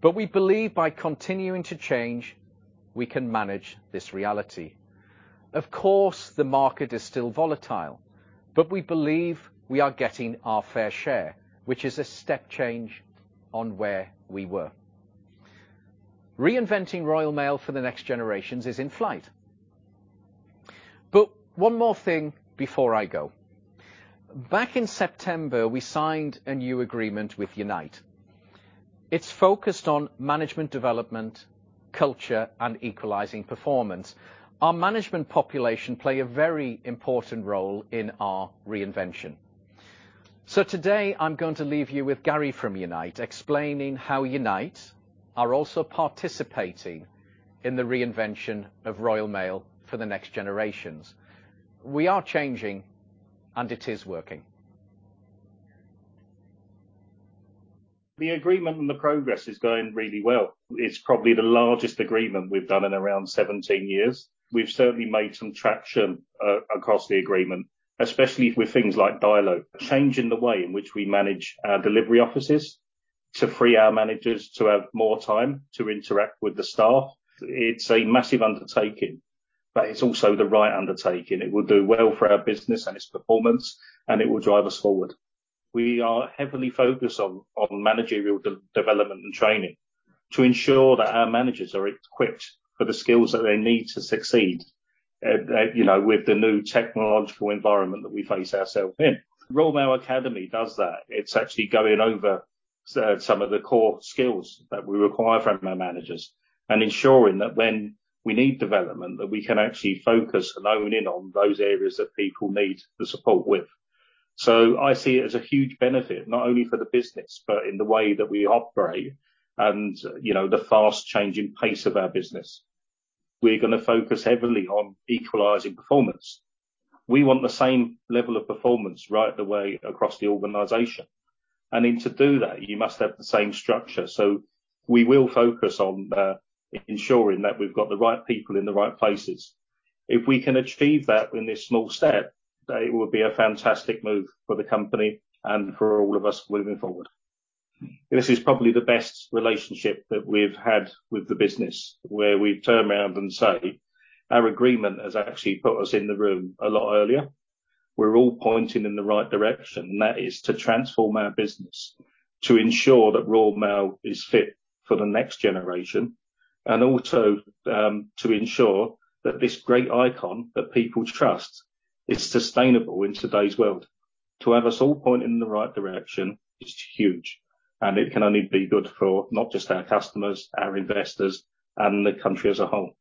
We believe by continuing to change, we can manage this reality. Of course, the market is still volatile, but we believe we are getting our fair share, which is a step change on where we were. Reinventing Royal Mail for the next generations is in flight. One more thing before I go. Back in September, we signed a new agreement with Unite. It's focused on management development, culture, and equalizing performance. Our management population play a very important role in our reinvention. Today I'm going to leave you with Gary from Unite, explaining how Unite are also participating in the reinvention of Royal Mail for the next generations. We are changing, and it is working. The agreement and the progress is going really well. It's probably the largest agreement we've done in around 17 years. We've certainly made some traction across the agreement, especially with things like dialogue, change in the way in which we manage our delivery offices to free our managers to have more time to interact with the staff. It's a massive undertaking, but it's also the right undertaking. It will do well for our business and its performance, and it will drive us forward. We are heavily focused on managerial de-development and training to ensure that our managers are equipped for the skills that they need to succeed, with the new technological environment that we face ourselves in. Royal Mail Academy does that. It's actually going over some of the core skills that we require from our managers and ensuring that when we need development, that we can actually focus and home in on those areas that people need the support with. I see it as a huge benefit, not only for the business, but in the way that we operate and, the fast-changing pace of our business. We're gonna focus heavily on equalizing performance. We want the same level of performance right the way across the organization. To do that, you must have the same structure. We will focus on ensuring that we've got the right people in the right places. If we can achieve that in this small step, that it would be a fantastic move for the company and for all of us moving forward. This is probably the best relationship that we've had with the business where we turn around and say, our agreement has actually put us in the room a lot earlier. We're all pointing in the right direction, and that is to transform our business to ensure that Royal Mail is fit for the next generation, and also, to ensure that this great icon that people trust is sustainable in today's world. To have us all pointing in the right direction is huge, and it can only be good for not just our customers, our investors, and the country as a whole.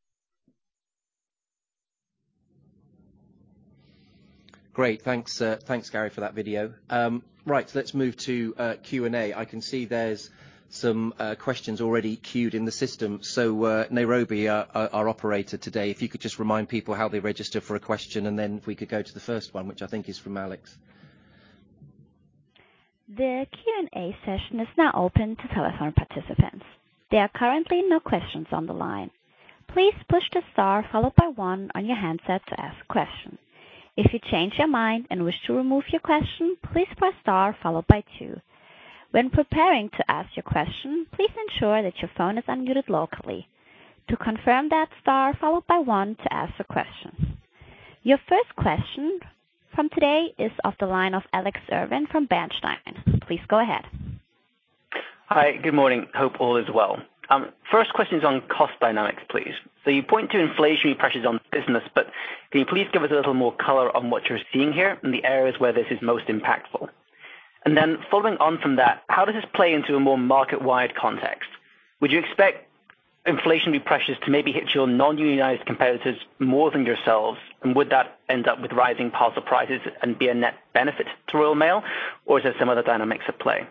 Great. Thanks, Gary, for that video. Right. Let's move to Q&A. I can see there's some questions already queued in the system. Nairobi, our operator today, if you could just remind people how they register for a question, and then if we could go to the first one, which I think is from Alex. The Q&A session is now open to telephone participants. There are currently no questions on the line. Please push the star followed by one on your handset to ask a question. If you change your mind and wish to remove your question, please press star followed by two. When preparing to ask your question, please ensure that your phone is unmuted locally. To confirm that, star followed by one to ask a question. Your first question today is on the line of Alex Irving from Bernstein. Please go ahead. Hi. Good morning. Hope all is well. First question is on cost dynamics, please. You point to inflationary pressures on the business, but can you please give us a little more color on what you're seeing here and the areas where this is most impactful? Following on from that, how does this play into a more market-wide context? Would you expect Inflationary pressures to maybe hit your non-unionized competitors more than yourselves. Would that end up with rising parcel prices and be a net benefit to Royal Mail, or is there some other dynamics at play?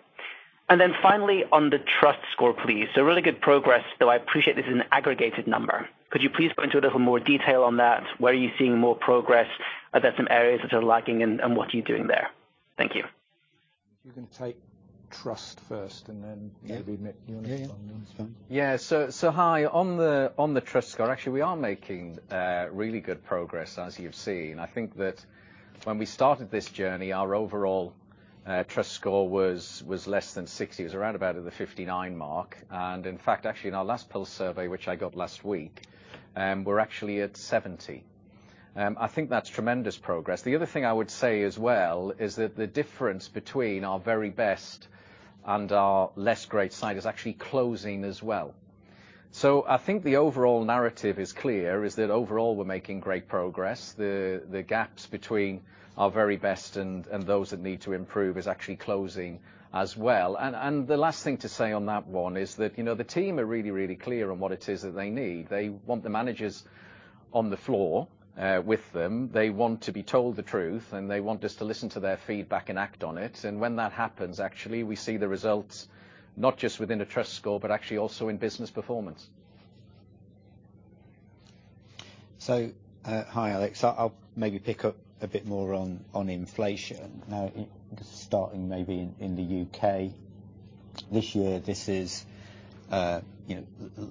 Finally, on the trust score, please. Really good progress, though I appreciate this is an aggregated number. Could you please go into a little more detail on that? Where are you seeing more progress? Are there some areas which are lacking, and what are you doing there? Thank you. You can take trust first, and then maybe, Mick, you want to Yeah, yeah. Come on this one. Hi. On the trust score, actually we are making really good progress as you've seen. I think that when we started this journey, our overall trust score was less than 60. It was around about at the 59 mark. In fact, actually in our last pulse survey, which I got last week, we're actually at 70. I think that's tremendous progress. The other thing I would say as well is that the difference between our very best and our less great side is actually closing as well. I think the overall narrative is clear is that overall we're making great progress. The gaps between our very best and those that need to improve is actually closing as well. The last thing to say on that one is that, the team are really clear on what it is that they need. They want the managers on the floor with them. They want to be told the truth, and they want us to listen to their feedback and act on it. When that happens, actually we see the results not just within the trust score, but actually also in business performance. Hi Alex. I'll maybe pick up a bit more on inflation. Now, starting maybe in the U.K. this year, this is,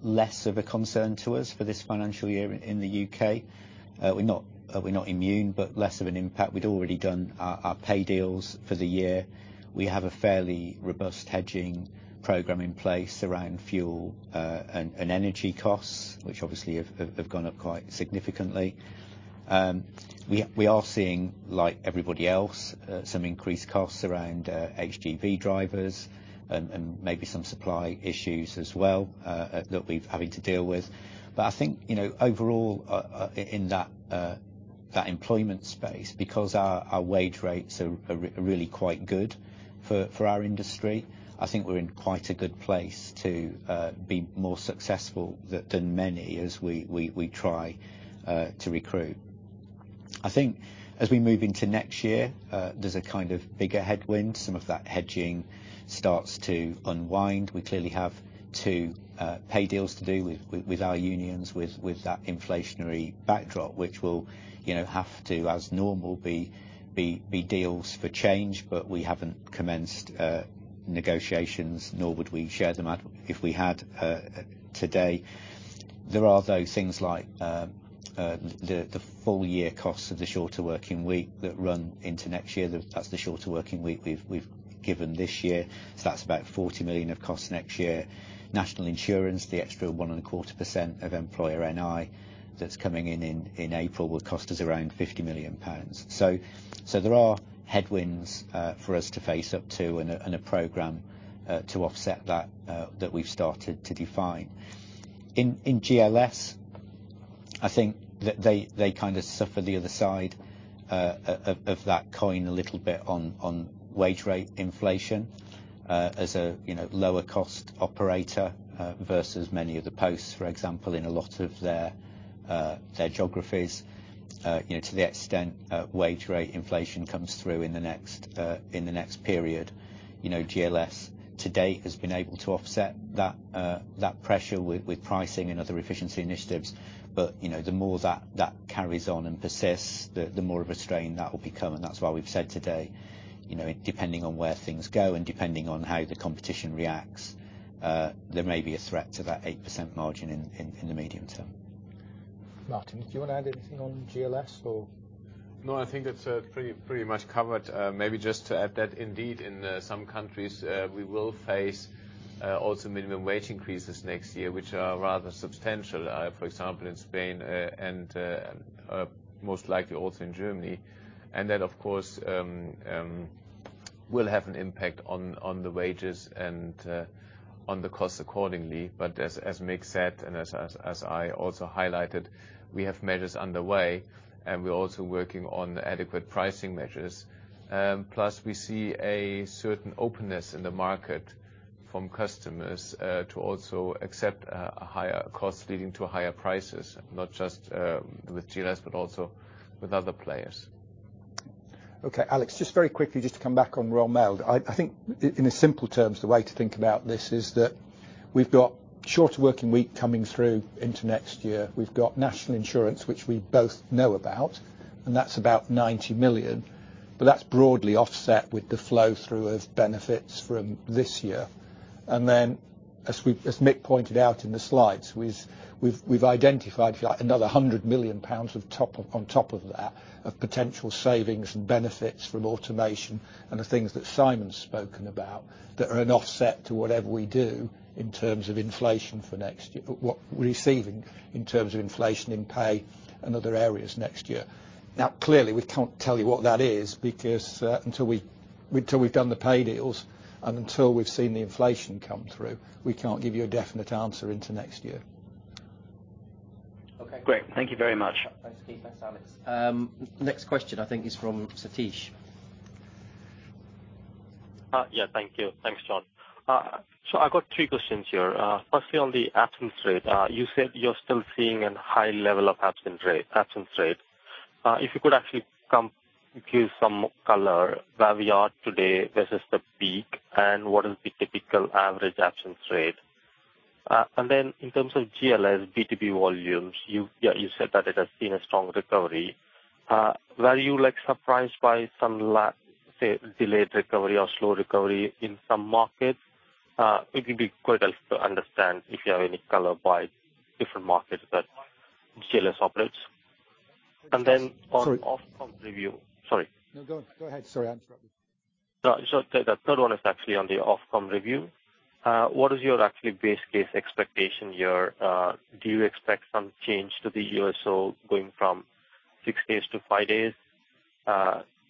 less of a concern to us for this financial year in the U.K. We're not immune, but less of an impact. We'd already done our pay deals for the year. We have a fairly robust hedging program in place around fuel and energy costs, which obviously have gone up quite significantly. We are seeing, like everybody else, some increased costs around HGV drivers and maybe some supply issues as well that we're having to deal with. I think, overall, in that employment space, because our wage rates are really quite good for our industry, I think we're in quite a good place to be more successful than many as we try to recruit. I think as we move into next year, there's a kind of bigger headwind. Some of that hedging starts to unwind. We clearly have two pay deals to do with our unions, with that inflationary backdrop, which will, have to, as normal, be deals for change. We haven't commenced negotiations, nor would we share them if we had today. There are though things like the full-year costs of the shorter working week that run into next year. That's the shorter working week we've given this year. That's about 40 million of costs next year. National Insurance, the extra 1.25% of employer NI that's coming in April will cost us around 50 million pounds. There are headwinds for us to face up to and a program to offset that we've started to define. In GLS, I think that they kind of suffer the other side of that coin a little bit on wage rate inflation as a, lower cost operator versus many of the posts, for example, in a lot of their geographies. You know, to the extent wage rate inflation comes through in the next period. You know, GLS to date has been able to offset that pressure with pricing and other efficiency initiatives. You know, the more that carries on and persists, the more of a strain that will become. That's why we've said today, depending on where things go and depending on how the competition reacts, there may be a threat to that 8% margin in the medium term. Martin, do you wanna add anything on GLS or? No, I think that's pretty much covered. Maybe just to add that indeed in some countries we will face also minimum wage increases next year, which are rather substantial. For example, in Spain and most likely also in Germany. That of course will have an impact on the wages and on the costs accordingly. As Mick said, and as I also highlighted, we have measures underway and we're also working on adequate pricing measures. Plus we see a certain openness in the market from customers to also accept a higher cost leading to higher prices, not just with GLS, but also with other players. Okay. Alex, just very quickly, just to come back on Royal Mail. I think in simple terms, the way to think about this is that we've got shorter working week coming through into next year. We've got National Insurance, which we both know about, and that's about 90 million. That's broadly offset with the flow through of benefits from this year. Then as Mick pointed out in the slides, we've identified another 100 million pounds on top of that, of potential savings and benefits from automation and the things that Simon's spoken about that are an offset to whatever we do in terms of inflation for next year. What we're receiving in terms of inflation in pay and other areas next year. Now, clearly, we can't tell you what that is because until we've done the pay deals and until we've seen the inflation come through, we can't give you a definite answer into next year. Okay. Great. Thank you very much. Thanks, Keith. Thanks, Alex. Next question I think is from Satish. Yeah, thank you. Thanks, John. So I've got three questions here. Firstly, on the absence rate. You said you're still seeing a high level of absence rate. If you could actually come give some color where we are today versus the peak, and what is the typical average absence rate. And then in terms of GLS B2B volumes, you said that it has seen a strong recovery. Were you, like surprised by some say, delayed recovery or slow recovery in some markets? It would be quite helpful to understand if you have any color by different markets that GLS operates. Then on Ofcom's review. Sorry. No, go ahead. Sorry, I interrupted. No. The third one is actually on the Ofcom review. What is your actually best guess expectation here? Do you expect some change to the USO going from six days to five days?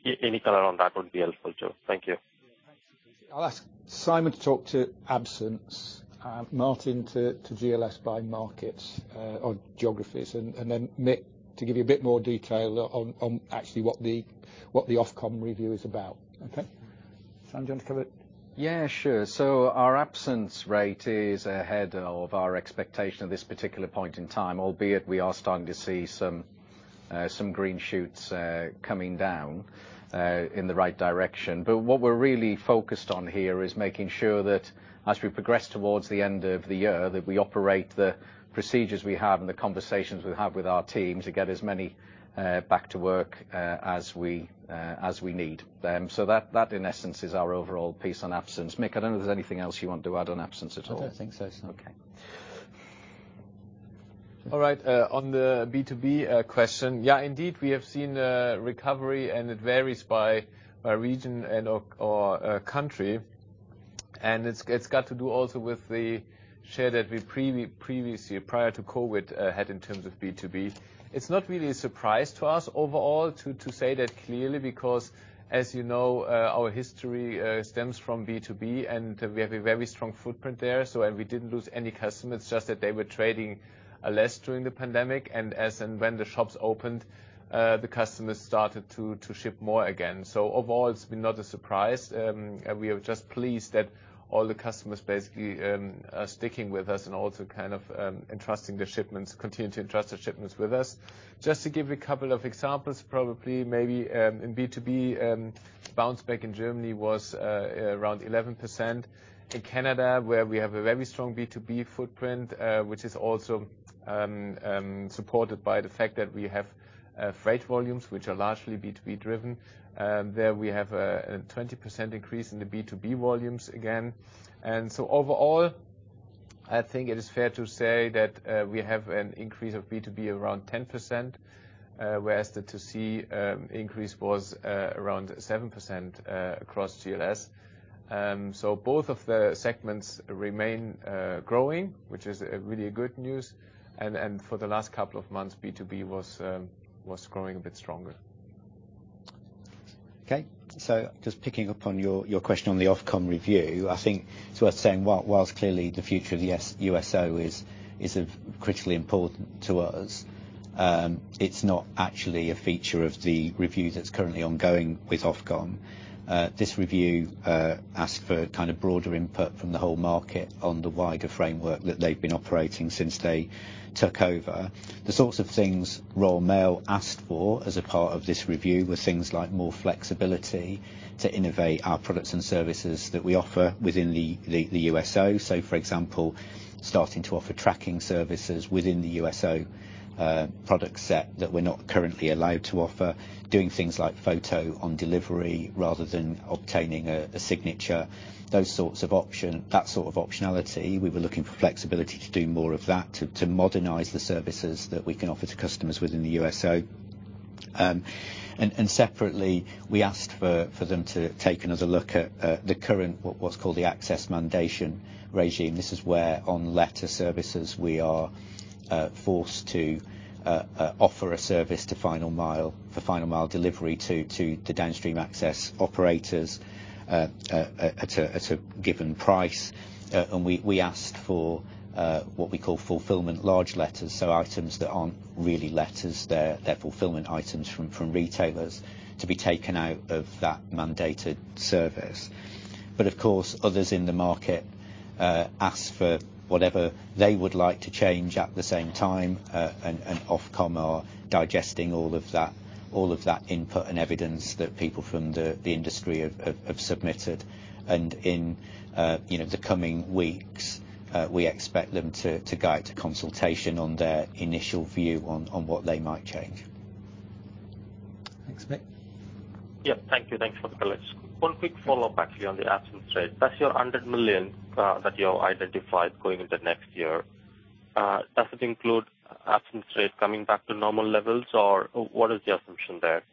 Any color on that would be helpful too. Thank you. Thanks. I'll ask Simon to talk to absence, Martin to GLS by markets or geographies, and then Mick to give you a bit more detail on actually what the Ofcom review is about. Okay. Simon, do you want to cover it? Yeah, sure. Our absence rate is ahead of our expectation at this particular point in time, albeit we are starting to see some green shoots coming down in the right direction. What we're really focused on here is making sure that as we progress towards the end of the year, that we operate the procedures we have and the conversations we have with our teams to get as many back to work as we need them. That in essence is our overall piece on absence. Mick, I don't know if there's anything else you want to add on absence at all. I don't think so, Simon. Okay. All right, on the B2B question, yeah, indeed, we have seen a recovery, and it varies by region and/or country. It's got to do also with the share that we previously, prior to COVID, had in terms of B2B. It's not really a surprise to us overall to say that clearly, because as you know, our history stems from B2B, and we have a very strong footprint there, so we didn't lose any customers, just that they were trading less during the pandemic. As and when the shops opened, the customers started to ship more again. Overall, it's been not a surprise. We are just pleased that all the customers basically are sticking with us and also kind of entrusting their shipments, continuing to entrust their shipments with us. Just to give you a couple of examples, probably maybe in B2B, bounce back in Germany was around 11%. In Canada, where we have a very strong B2B footprint, which is also supported by the fact that we have freight volumes, which are largely B2B driven, there we have a 20% increase in the B2B volumes again. Overall, I think it is fair to say that we have an increase of B2B around 10%, whereas the B2C increase was around 7% across GLS. So both of the segments remain growing, which is really good news. For the last couple of months, B2B was growing a bit stronger. Just picking up on your question on the Ofcom review, I think it's worth saying while clearly the future of the USO is of critical importance to us, it's not actually a feature of the review that's currently ongoing with Ofcom. This review asks for kind of broader input from the whole market on the wider framework that they've been operating since they took over. The sorts of things Royal Mail asked for as a part of this review were things like more flexibility to innovate our products and services that we offer within the USO. For example, starting to offer tracking services within the USO product set that we're not currently allowed to offer, doing things like photo on delivery rather than obtaining a signature, that sort of optionality. We were looking for flexibility to do more of that, to modernize the services that we can offer to customers within the USO. Separately, we asked for them to take another look at the current what's called the access mandation regime. This is where on letter services we are forced to offer a service for final mile delivery to the Downstream Access operators at a given price. We asked for what we call fulfillment large letters, so items that aren't really letters. They're fulfillment items from retailers to be taken out of that mandated service. Of course, others in the market ask for whatever they would like to change at the same time. Ofcom are digesting all of that input and evidence that people from the industry have submitted. In, the coming weeks, we expect them to go out to consultation on their initial view on what they might change. Thanks. Mick? Yeah. Thank you. Thanks for the colors. One quick follow-up actually on the absence rate. Does your 100 million that you identified going into next year include absence rate coming back to normal levels, or what is the assumption there?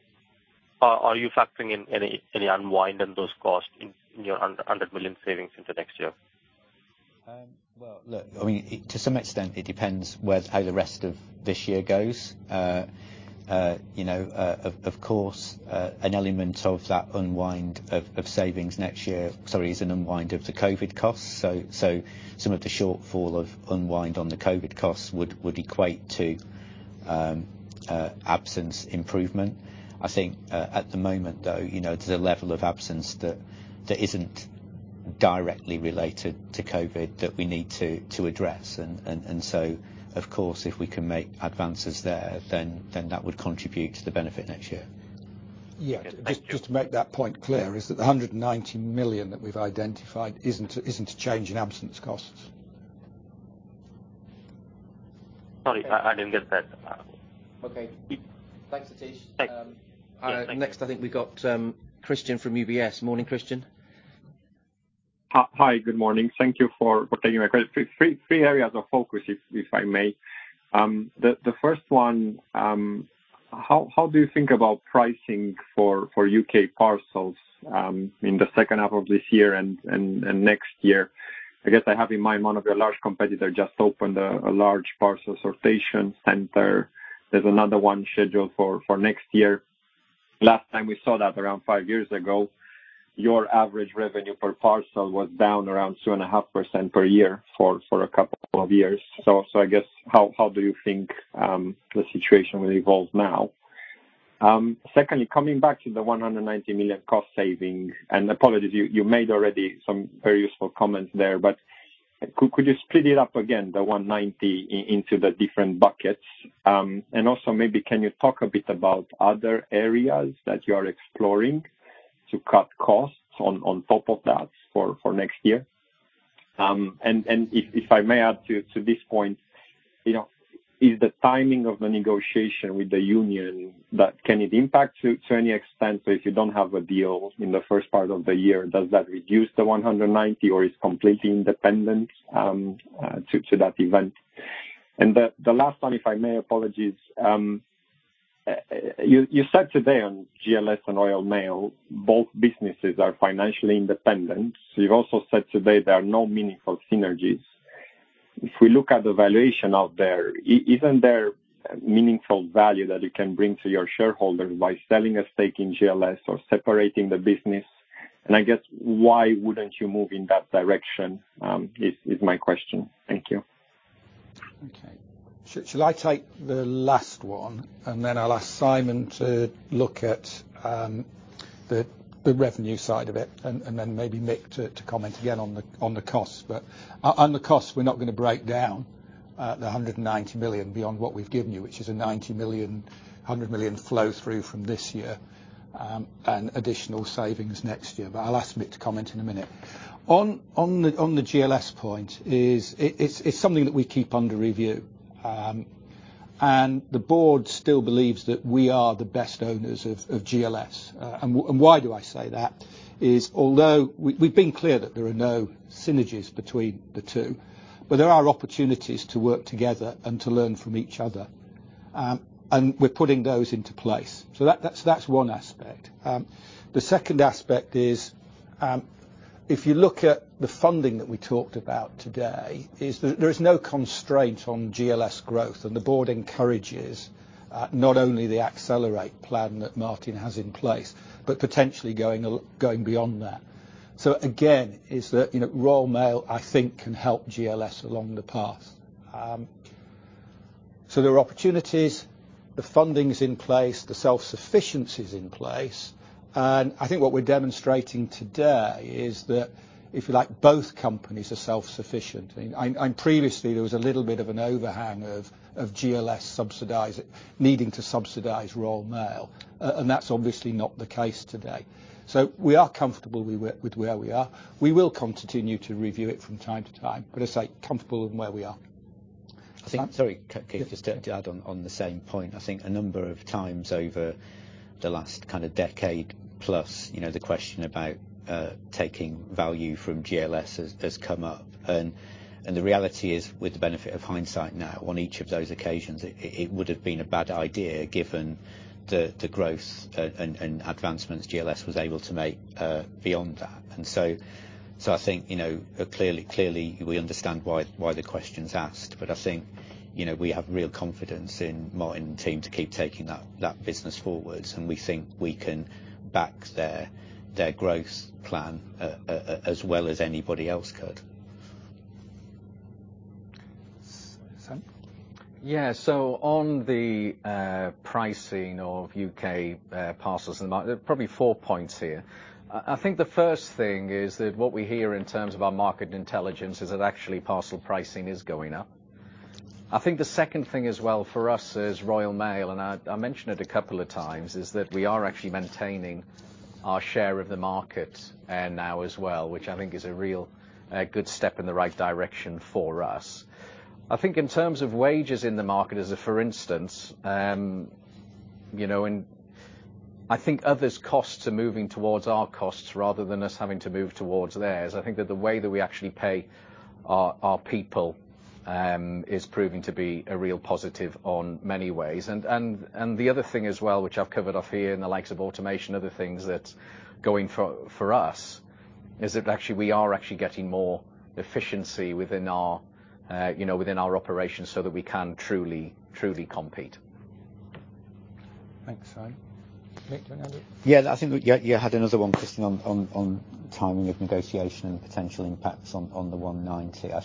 Are you factoring in any unwind in those costs in your 100 million savings into next year? Well, look, I mean, to some extent it depends on how the rest of this year goes. You know, of course, an element of that unwind of savings next year, sorry, is an unwind of the COVID costs. So some of the shortfall of unwind on the COVID costs would equate to absence improvement. I think at the moment, though, to the level of absence that isn't directly related to COVID that we need to address. So, of course, if we can make advances there, then that would contribute to the benefit next year. Yeah. Thank you. Just to make that point clear, that the 190 million that we've identified isn't a change in absence costs. Sorry, I didn't get that. Okay. Thanks, Satish. Thanks. Yeah, thank you. Next, I think we got Christian from UBS. Morning, Christian. Hi. Good morning. Thank you for taking my call. 3 areas of focus if I may. The first one, how do you think about pricing for U.K. parcels in the second half of this year and next year? I guess I have in mind one of your large competitor just opened a large parcel sortation center. There's another one scheduled for next year. Last time we saw that around five years ago, your average revenue per parcel was down around 2.5% per year for a couple of years. I guess how do you think the situation will evolve now? Secondly, coming back to the 190 million cost saving, and apologies, you made already some very useful comments there, but could you split it up again, the 190 into the different buckets? Also, maybe can you talk a bit about other areas that you are exploring to cut costs on top of that for next year? If I may add to this point, is the timing of the negotiation with the union that can it impact to any extent if you don't have a deal in the first part of the year, does that reduce the 190 or is completely independent to that event? The last one, if I may, apologies. You said today on GLS and Royal Mail, both businesses are financially independent. You've also said today there are no meaningful synergies. If we look at the valuation out there, isn't there meaningful value that you can bring to your shareholders by selling a stake in GLS or separating the business? I guess why wouldn't you move in that direction is my question. Thank you. Okay. Shall I take the last one, and then I'll ask Simon to look at the revenue side of it and then maybe Mick to comment again on the costs. On the costs, we're not gonna break down the 190 million beyond what we've given you, which is a 90 million-100 million flow through from this year, and additional savings next year. I'll ask Mick to comment in a minute. On the GLS point, it's something that we keep under review. The board still believes that we are the best owners of GLS. Why do I say that? Although we've been clear that there are no synergies between the two, there are opportunities to work together and to learn from each other. We're putting those into place. That's one aspect. The second aspect is, if you look at the funding that we talked about today, there is no constraint on GLS growth, and the Board encourages not only the Accelerate plan that Martin has in place but potentially going beyond that. Again, that's, Royal Mail, I think, can help GLS along the path. There are opportunities. The funding's in place. The self-sufficiency is in place. I think what we're demonstrating today is that, if you like, both companies are self-sufficient. Previously there was a little bit of an overhang of GLS subsidizing, needing to subsidize Royal Mail. That's obviously not the case today. We are comfortable with where we are. We will continue to review it from time to time, but as I say, comfortable in where we are. Sorry, Keith, just to add on the same point. I think a number of times over the last kind of decade plus, the question about taking value from GLS has come up. The reality is, with the benefit of hindsight now, on each of those occasions, it would have been a bad idea given the growth and advancements GLS was able to make beyond that. I think, clearly, we understand why the question's asked, but I think, we have real confidence in Martin and the team to keep taking that business forward, and we think we can back their growth plan as well as anybody else could. Simon? Yeah. On the pricing of U.K. parcels and the like, there are probably four points here. I think the first thing is that what we hear in terms of our market intelligence is that actually parcel pricing is going up. I think the second thing as well for us is Royal Mail, and I mentioned it a couple of times, is that we are actually maintaining our share of the market there now as well, which I think is a real good step in the right direction for us. I think in terms of wages in the market as, for instance, and I think others' costs are moving towards our costs rather than us having to move towards theirs. I think that the way that we actually pay our people is proving to be a real positive in many ways. The other thing as well, which I've covered off here in the likes of automation, other things that's going for us, is that actually we are actually getting more efficiency within our operations so that we can truly compete. Thanks, Simon. Mick, do you have any other? I think we had another one, Christian, on timing of negotiation and potential impacts on the 190. I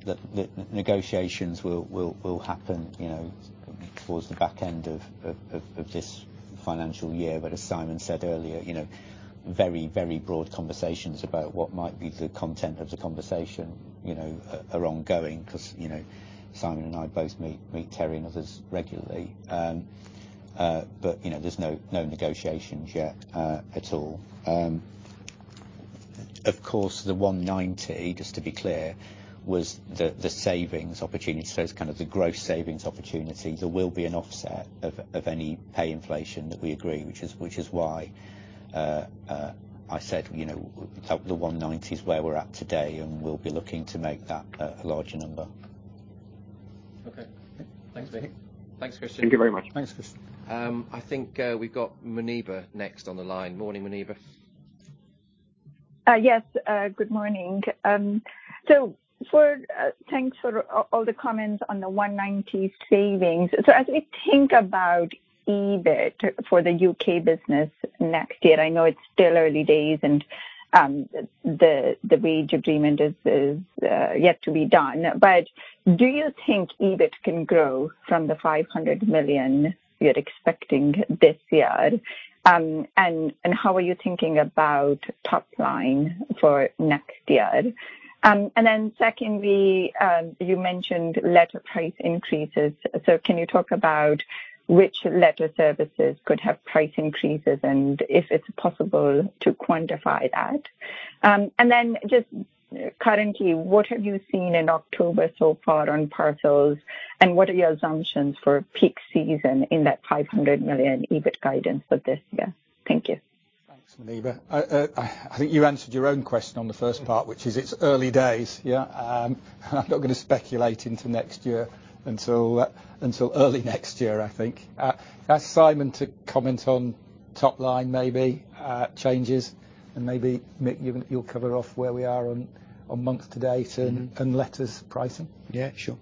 think that negotiations will happen, towards the back end of this financial year. As Simon said earlier, very broad conversations about what might be the content of the conversation, are ongoing 'cause, Simon and I both meet Terry and others regularly. You know, there's no negotiations yet at all. Of course, the 190, just to be clear, was the savings opportunity. It's kind of the gross savings opportunity. There will be an offset of any pay inflation that we agree, which is why I said, the 190 is where we're at today, and we'll be looking to make that a larger number. Okay. Thanks, Mick. Thanks, Christian. Thank you very much. Thanks, Christian. I think we've got Muneeba next on the line. Morning, Muneeba. Good morning. Thanks for all the comments on the 190 savings. As we think about EBIT for the U.K. business next year, I know it's still early days and the wage agreement is yet to be done. Do you think EBIT can grow from the 500 million you're expecting this year? How are you thinking about top line for next year? Secondly, you mentioned letter price increases. Can you talk about which letter services could have price increases, and if it's possible to quantify that? Currently, what have you seen in October so far on parcels, and what are your assumptions for peak season in that 500 million EBIT guidance for this year? Thank you. Thanks, Moneeba. I think you answered your own question on the first part, which is it's early days. Yeah. I'm not gonna speculate into next year until early next year, I think. Ask Simon to comment on top line, maybe, changes, and maybe, Mick, you'll cover off where we are on month to date and- Mm-hmm. Letters pricing. Yeah, sure.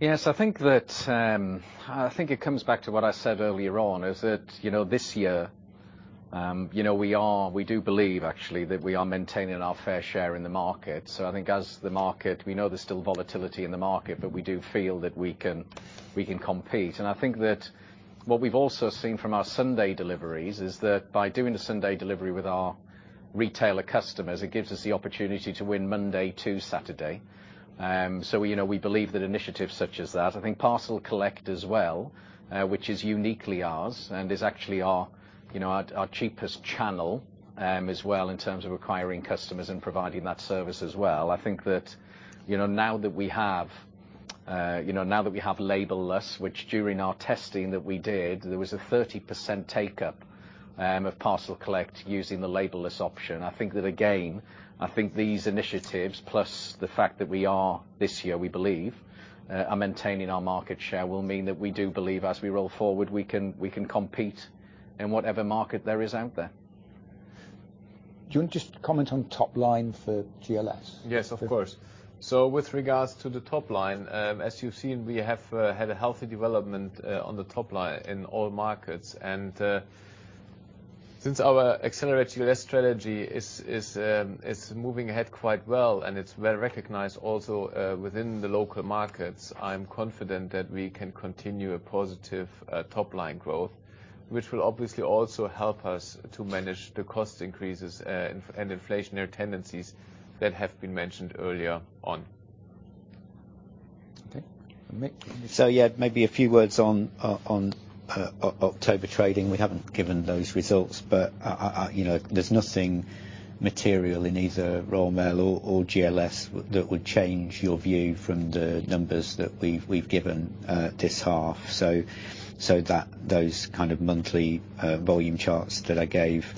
Yes, I think that I think it comes back to what I said earlier on, is that this year, we do believe actually that we are maintaining our fair share in the market. I think as the market, we know there's still volatility in the market, but we do feel that we can compete. I think that what we've also seen from our Sunday deliveries is that by doing the Sunday delivery with our retailer customers, it gives us the opportunity to win Monday to Saturday. You know, we believe that initiatives such as that, I think Parcel Collect as well, which is uniquely ours and is actually our cheapest channel as well in terms of acquiring customers and providing that service as well. I think that, now that we have Labelless, which during our testing that we did, there was a 30% take up of Parcel Collect using the Labelless option. I think that again, these initiatives, plus the fact that we are, this year, we believe, are maintaining our market share, will mean that we do believe as we roll forward, we can compete in whatever market there is out there. Do you wanna just comment on top line for GLS? Yes, of course. With regards to the top line, as you've seen, we have had a healthy development on the top line in all markets. Since our Accelerate GLS strategy is moving ahead quite well, and it's well-recognized also within the local markets, I'm confident that we can continue a positive top-line growth, which will obviously also help us to manage the cost increases and inflationary tendencies that have been mentioned earlier on. Okay. Mick? Yeah, maybe a few words on October trading. We haven't given those results, but there's nothing material in either Royal Mail or GLS that would change your view from the numbers that we've given this half. That those kinds of monthly volume charts that I gave,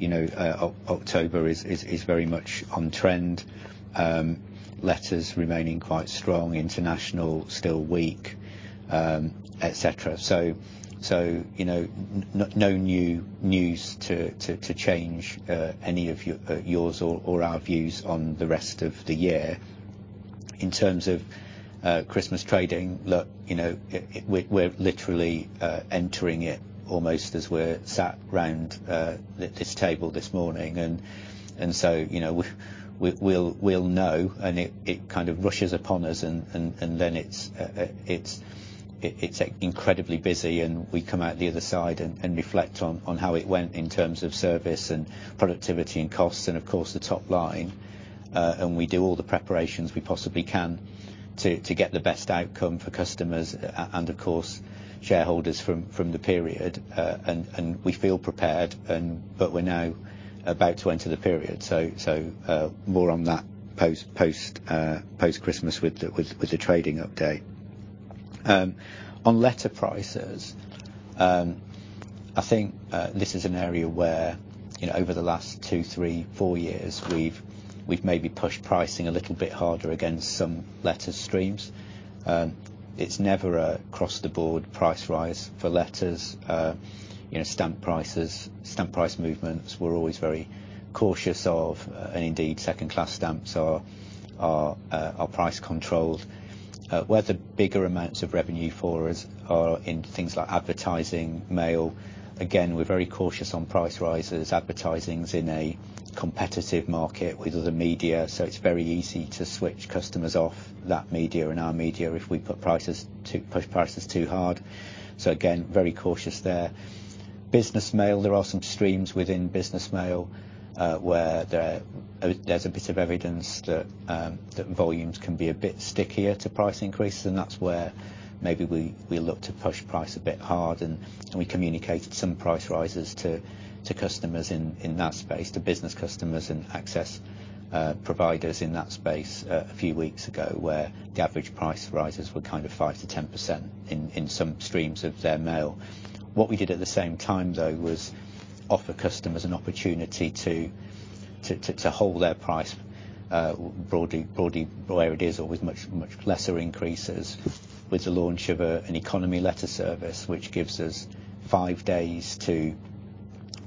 October is very much on trend. Letters remaining quite strong, international still weak, et cetera. You know, no new news to change any of yours or our views on the rest of the year. In terms of Christmas trading, look, we're literally entering it almost as we're sat around this table this morning. You know, we'll know, and it kind of rushes upon us, and then it's incredibly busy, and we come out the other side and reflect on how it went in terms of service and productivity and costs and of course the top line. We do all the preparations we possibly can to get the best outcome for customers and of course shareholders from the period. We feel prepared, but we're now about to enter the period. So, more on that post Christmas with the trading update. On letter prices, I think this is an area where, over the last two, three, four years, we've maybe pushed pricing a little bit harder against some letter streams. It's never across-the-board price rise for letters. You know, stamp prices, stamp price movements, we're always very cautious of, and indeed second-class stamps are price controlled. Where the bigger amounts of revenue for us are in things like Advertising Mail. Again, we're very cautious on price rises. Advertisings in a competitive market with other media, so it's very easy to switch customers off that media and our media if we push prices too hard. Again, very cautious there. Business mail, there are some streams within business mail, where there's a bit of evidence that volumes can be a bit stickier to price increases, and that's where maybe we look to push price a bit hard and we communicated some price rises to customers in that space, to business customers and access providers in that space a few weeks ago, where the average price rises were kind of 5%-10% in some streams of their mail. What we did at the same time though was offer customers an opportunity to hold their price broadly where it is or with much lesser increases with the launch of an economy letter service, which gives us 5 days to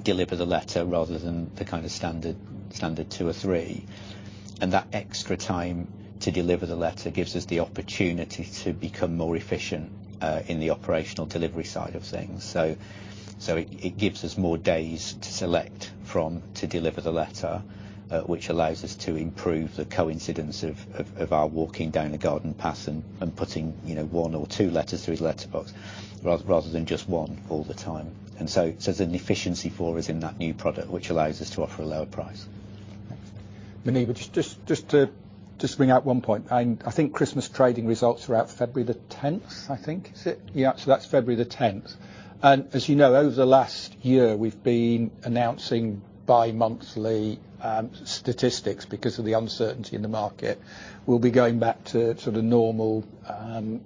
deliver the letter rather than the kind of standard 2 or 3. That extra time to deliver the letter gives us the opportunity to become more efficient, in the operational delivery side of things. It gives us more days to select from to deliver the letter, which allows us to improve the coincidence of our walking down the garden path and putting, one or two letters through his letterbox, rather than just one all the time. There's an efficiency for us in that new product which allows us to offer a lower price. Okay. Moneeba, just to bring out one point. I think Christmas trading results are out February the tenth, I think. Is it? Yeah, so that's February the tenth. As you know, over the last year we've been announcing bi-monthly statistics because of the uncertainty in the market. We'll be going back to the normal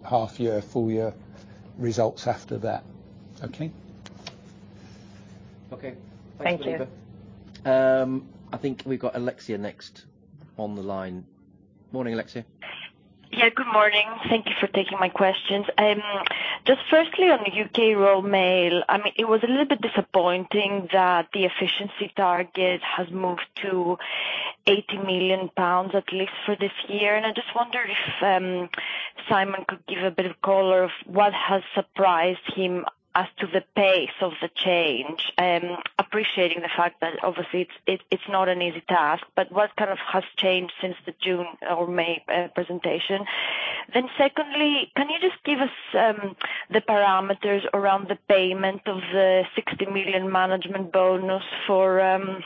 half year, full year results after that. Okay. Okay. Thank you. I think we've got Alexia next on the line. Morning, Alexia. Yeah, good morning. Thank you for taking my questions. Just firstly on the U.K. Royal Mail, I mean, it was a little bit disappointing that the efficiency target has moved to 80 million pounds at least for this year. I just wonder if Simon could give a bit of color of what has surprised him as to the pace of the change. Appreciating the fact that obviously it's not an easy task, but what kind of has changed since the June or May presentation? Secondly, can you just give us the parameters around the payment of the 60 million management bonus for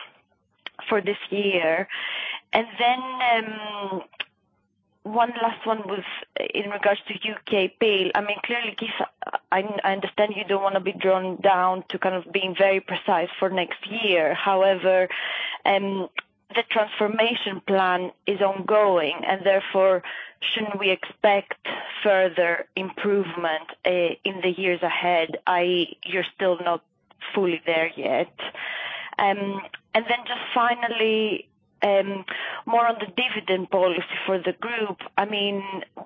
this year? One last one was in regards to U.K. pay. I mean, clearly, Keith, I understand you don't wanna be drawn down to kind of being very precise for next year. However, the transformation plan is ongoing and therefore shouldn't we expect further improvement in the years ahead, i.e. you're still not fully there yet. Just finally, more on the dividend policy for the group. I mean,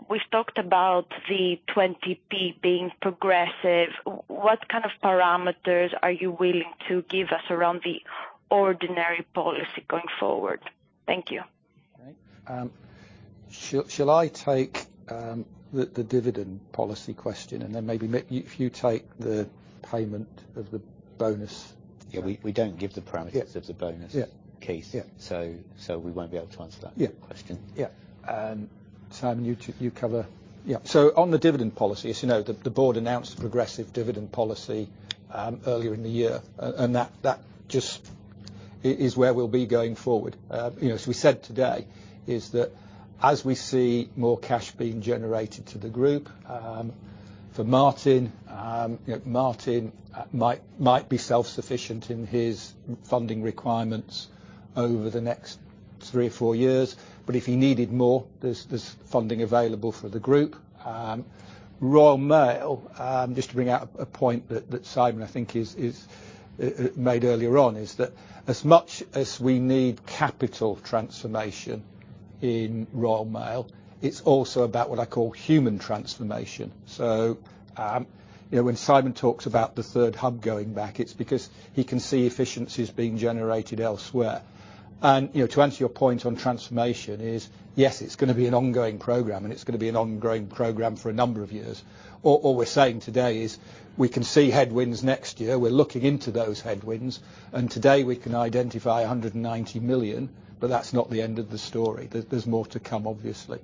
we've talked about the 20p being progressive. What kind of parameters are you willing to give us around the ordinary policy going forward? Thank you. Okay. Shall I take the dividend policy question and then maybe if you take the payment of the bonus? Yeah, we don't give the parameters. Yeah. Of the bonus- Yeah. Keith. Yeah. We won't be able to answer that question. Simon, on the dividend policy, as you know, the board announced progressive dividend policy earlier in the year, and that just is where we'll be going forward. You know, as we said today, is that as we see more cash being generated to the group, for Martin, might be self-sufficient in his funding requirements over the next three or four years, but if he needed more, there's funding available for the group. Royal Mail, just to bring out a point that Simon, I think is made earlier on, is that as much as we need capital transformation in Royal Mail, it's also about what I call human transformation. You know, when Simon talks about the third hub going back, it's because he can see efficiencies being generated elsewhere. You know, to answer your point on transformation is, yes, it's gonna be an ongoing program for a number of years. All we're saying today is we can see headwinds next year. We're looking into those headwinds, and today we can identify 190 million, but that's not the end of the story. There's more to come, obviously.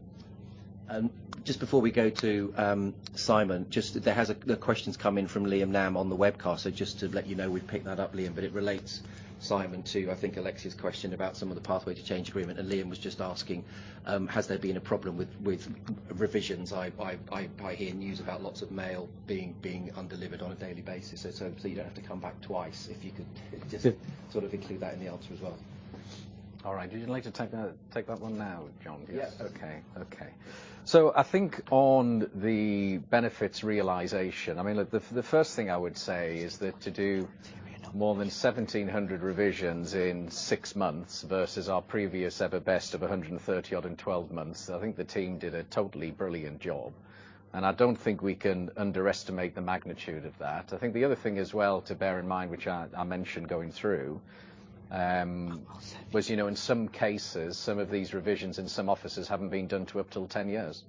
Just before we go to Simon. The question's come in from Liam Sheridan on the webcast. So just to let you know, we've picked that up, Liam, but it relates, Simon, to, I think, Alexia's question about some of the Pathway to Change agreement. Liam was just asking has there been a problem with revisions. I hear news about lots of mail being undelivered on a daily basis. So you don't have to come back twice, if you could just Sure. Sort of include that in the answer as well. All right. Would you like to take that one now, John? Yeah. Okay. I think on the benefits realization, I mean, look, the first thing I would say is that to do more than 1,700 revisions in six months versus our previous ever best of 130 odd in twelve months, I think the team did a totally brilliant job. I don't think we can underestimate the magnitude of that. I think the other thing as well to bear in mind, which I mentioned going through, was, in some cases, some of these revisions in some offices haven't been done for up to 10 years.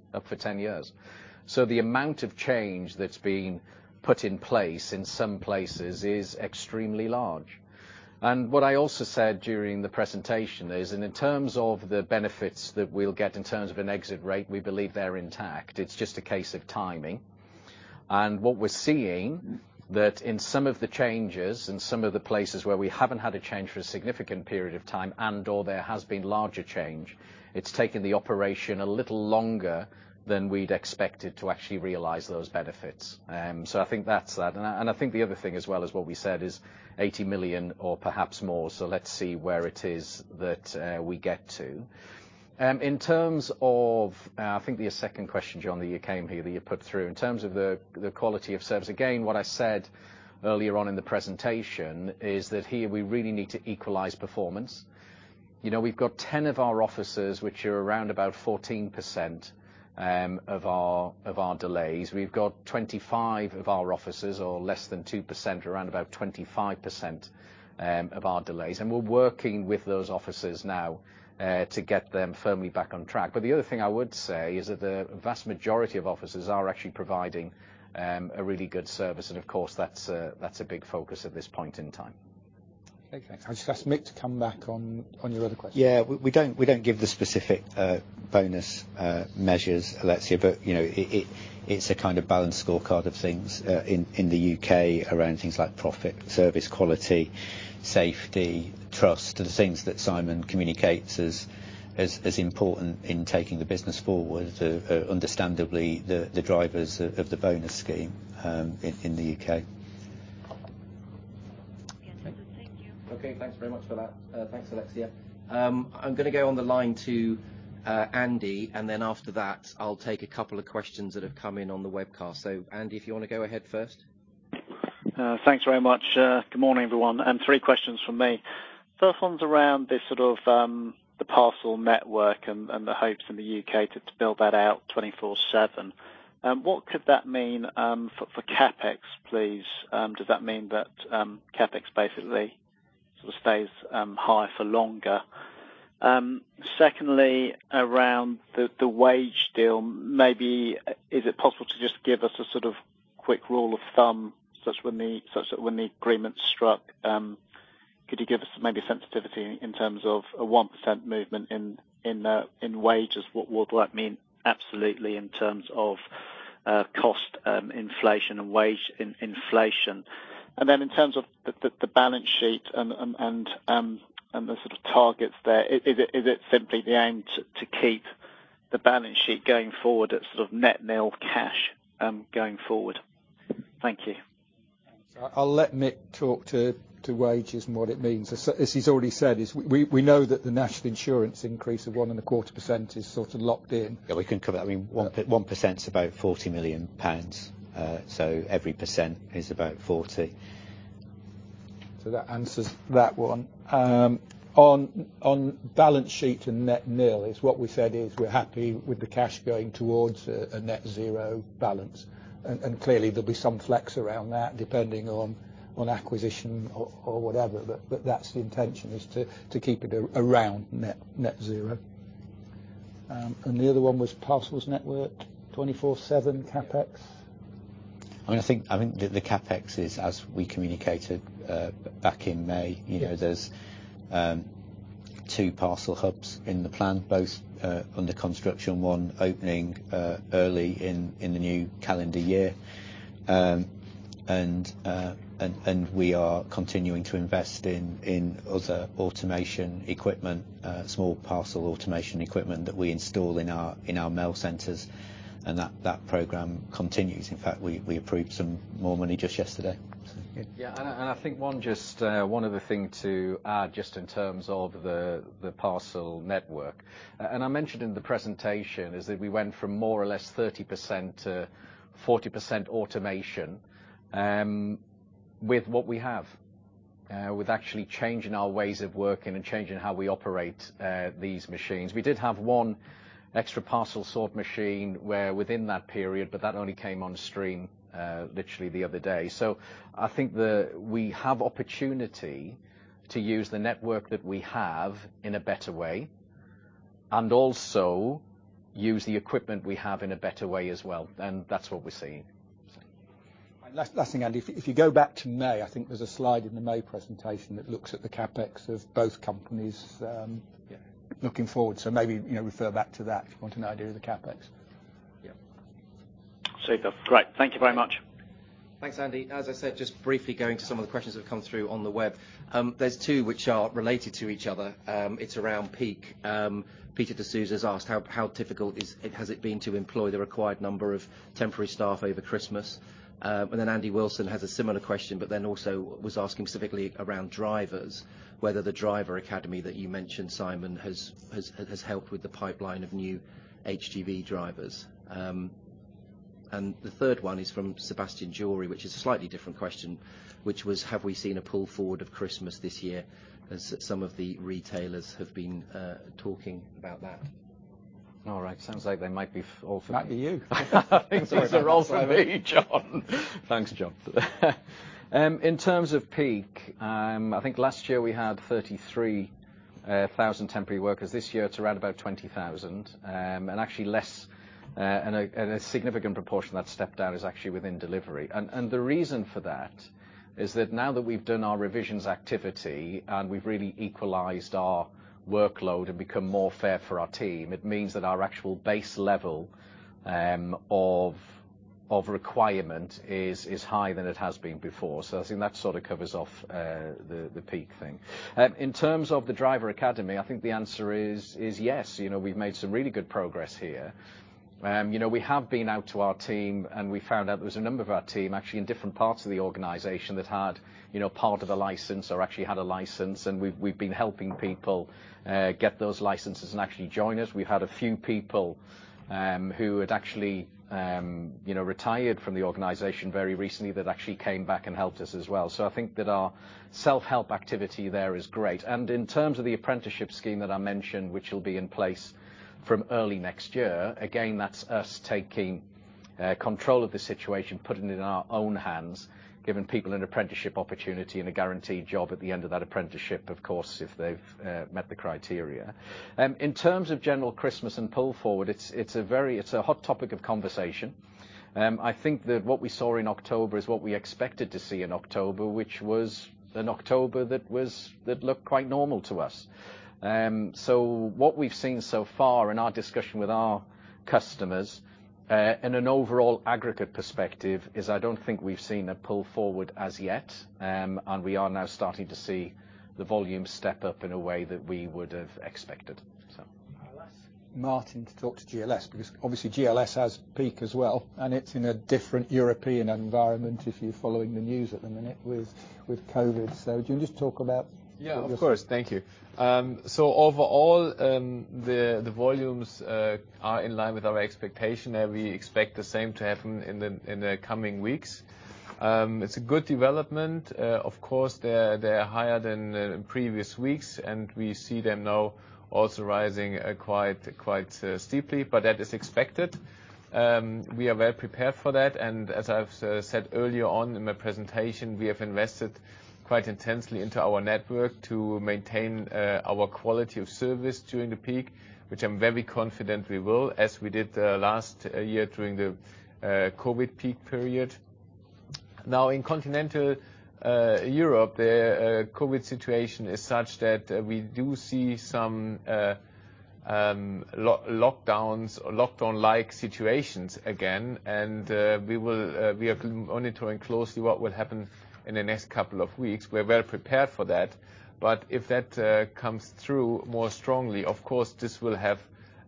The amount of change that's being put in place in some places is extremely large. What I also said during the presentation is, in terms of the benefits that we'll get in terms of an exit rate, we believe they're intact. It's just a case of timing. What we're seeing that in some of the changes, in some of the places where we haven't had a change for a significant period of time and/or there has been larger change, it's taken the operation a little longer than we'd expected to actually realize those benefits. So I think that's that. I think the other thing as well is what we said is 80 million or perhaps more. So let's see where it is that we get to. In terms of I think your second question, John, that you came here, that you put through, in terms of the quality of service, again, what I said earlier on in the presentation is that here we really need to equalize performance. You know, we've got 10 of our offices which are around about 14% of our delays. We've got 25 of our offices or less than 2%, around about 25%, of our delays. We're working with those offices now to get them firmly back on track. The other thing I would say is that the vast majority of offices are actually providing a really good service and of course that's a big focus at this point in time. Okay. I'll just ask Mick to come back on your other question. Yeah. We don't give the specific bonus measures, Alexia, but you know, it's a kind of balanced scorecard of things in the U.K. around things like profit, service, quality, safety, trust. The things that Simon communicates as important in taking the business forward are understandably the drivers of the bonus scheme in the U.K. Thank you. Okay, thanks very much for that. Thanks, Alexia. I'm gonna go on the line to Andy, and then after that I'll take a couple of questions that have come in on the webcast. Andy, if you wanna go ahead first. Thanks very much. Good morning, everyone, and 3 questions from me. First one's around the sort of, the parcel network and the hopes in the U.K. to build that out 24/7. What could that mean for CapEx, please? Does that mean that CapEx basically sort of stays high for longer? Secondly, around the wage deal, maybe is it possible to just give us a sort of quick rule of thumb, such that when the agreement's struck, could you give us maybe a sensitivity in terms of a 1% movement in wages? What would that mean absolutely in terms of cost inflation and wage inflation? Then in terms of the balance sheet and the sort of targets there, is it simply the aim to keep the balance sheet going forward at sort of net nil cash, going forward? Thank you. I'll let Mick talk to wages and what it means. As he's already said, we know that the National Insurance increase of 1.25% is sort of locked in. Yeah, we can cover that. I mean, 1% is about 40 million pounds, so every percent is about 40 million. That answers that one. On balance sheet and net nil is what we said is we're happy with the cash going towards a net zero balance. Clearly there'll be some flex around that depending on acquisition or whatever. That's the intention, is to keep it around net zero. The other one was parcels network 24/7 CapEx. I mean, I think the CapEx is, as we communicated, back in May. Yeah. You know, there's two parcel hubs in the plan, both under construction, one opening early in the new calendar year. We are continuing to invest in other automation equipment, small parcel automation equipment that we install in our mail centers, and that program continues. In fact, we approved some more money just yesterday. Yeah. I think one other thing to add just in terms of the parcel network, and I mentioned in the presentation is that we went from more or less 30% to 40% automation with what we have, with actually changing our ways of working and changing how we operate these machines. We did have one extra parcel sort machine which within that period, but that only came on stream literally the other day. I think we have opportunity to use the network that we have in a better way and also use the equipment we have in a better way as well, and that's what we're seeing. Last thing, Andy. If you go back to May, I think there's a slide in the May presentation that looks at the CapEx of both companies. Yeah Looking forward. Maybe, refer back to that if you want an idea of the CapEx. Yeah. Super. Great. Thank you very much. Thanks, Andy. As I said, just briefly going to some of the questions that have come through on the web. There's two which are related to each other. It's around peak. Peter D'Souza's asked how difficult has it been to employ the required number of temporary staff over Christmas? And then Andy Wilson has a similar question, but then also was asking specifically around drivers, whether the driver academy that you mentioned, Simon, has helped with the pipeline of new HGV drivers. And the third one is from Sebastian Cancelliere, which is a slightly different question, which was, have we seen a pull forward of Christmas this year as some of the retailers have been talking about that? All right. Sounds like they might be all for. Might be you. I think these are all for me, John. Thanks, John. In terms of peak, I think last year we had 33,000 temporary workers. This year it's around about 20,000, and actually less, and a significant proportion that stepped down is actually within delivery. The reason for that is that now that we've done our revisions activity and we've really equalized our workload and become more fair for our team, it means that our actual base level of requirement is higher than it has been before. I think that sort of covers off the peak thing. In terms of the driver academy, I think the answer is yes. You know, we've made some really good progress here. You know, we have been out to our team, and we found out there was a number of our team actually in different parts of the organization that had, part of a license or actually had a license. We've been helping people get those licenses and actually join us. We had a few people who had actually, retired from the organization very recently that actually came back and helped us as well. I think that our self-help activity there is great. In terms of the apprenticeship scheme that I mentioned, which will be in place from early next year, again, that's us taking control of the situation, putting it in our own hands, giving people an apprenticeship opportunity and a guaranteed job at the end of that apprenticeship, of course, if they've met the criteria. In terms of general Christmas and pull forward, it's a hot topic of conversation. I think that what we saw in October is what we expected to see in October, which was an October that looked quite normal to us. What we've seen so far in our discussion with our customers, in an overall aggregate perspective, is I don't think we've seen a pull forward as yet, and we are now starting to see the volume step up in a way that we would have expected. GLS. Martin to talk to GLS, because obviously GLS has peak as well, and it's in a different European environment if you're following the news at the minute with COVID. Would you just talk about GLS? Yeah, of course. Thank you. So overall, the volumes are in line with our expectation, and we expect the same to happen in the coming weeks. It's a good development. Of course, they're higher than in previous weeks, and we see them now also rising quite steeply, but that is expected. We are well prepared for that. As I've said earlier on in my presentation, we have invested quite intensely into our network to maintain our quality of service during the peak. Which I'm very confident we will, as we did last year during the COVID peak period. Now, in Continental Europe, the COVID situation is such that we do see some lockdowns or lockdown-like situations again, and we are monitoring closely what will happen in the next couple of weeks. We're well prepared for that. If that comes through more strongly, of course, this will have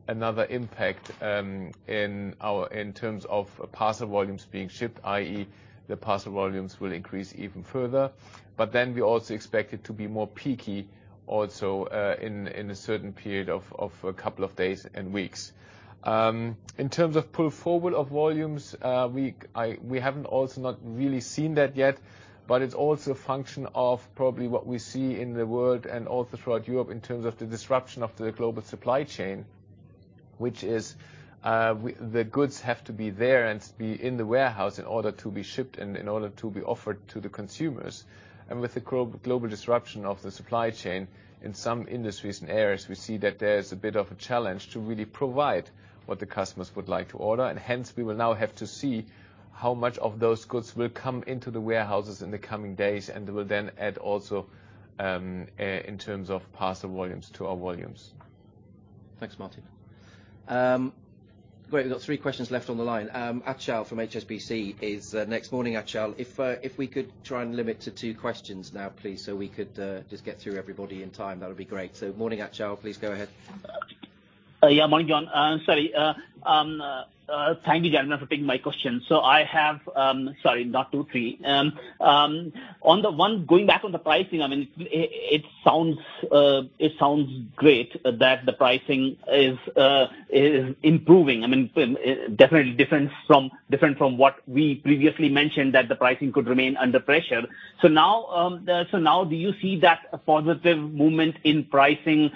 another impact in terms of parcel volumes being shipped, i.e. the parcel volumes will increase even further. We also expect it to be more peaky also in a certain period of a couple of days and weeks. In terms of pull forward of volumes, we haven't also not really seen that yet, but it's also a function of probably what we see in the world and also throughout Europe in terms of the disruption of the global supply chain. Which is, the goods have to be there and be in the warehouse in order to be shipped and in order to be offered to the consumers. With the global disruption of the supply chain, in some industries and areas, we see that there's a bit of a challenge to really provide what the customers would like to order. Hence, we will now have to see how much of those goods will come into the warehouses in the coming days, and they will then add also, in terms of parcel volumes to our volumes. Thanks, Martin. Great. We've got three questions left on the line. Achal from HSBC is next. Morning, Achal. If we could try and limit to two questions now, please, so we could just get through everybody in time, that would be great. Morning, Achal, please go ahead. Morning, John. Thank you again for taking my question. I have three. On the one, going back on the pricing, I mean, it sounds great that the pricing is improving. I mean, definitely different from what we previously mentioned, that the pricing could remain under pressure. Now do you see that positive movement in pricing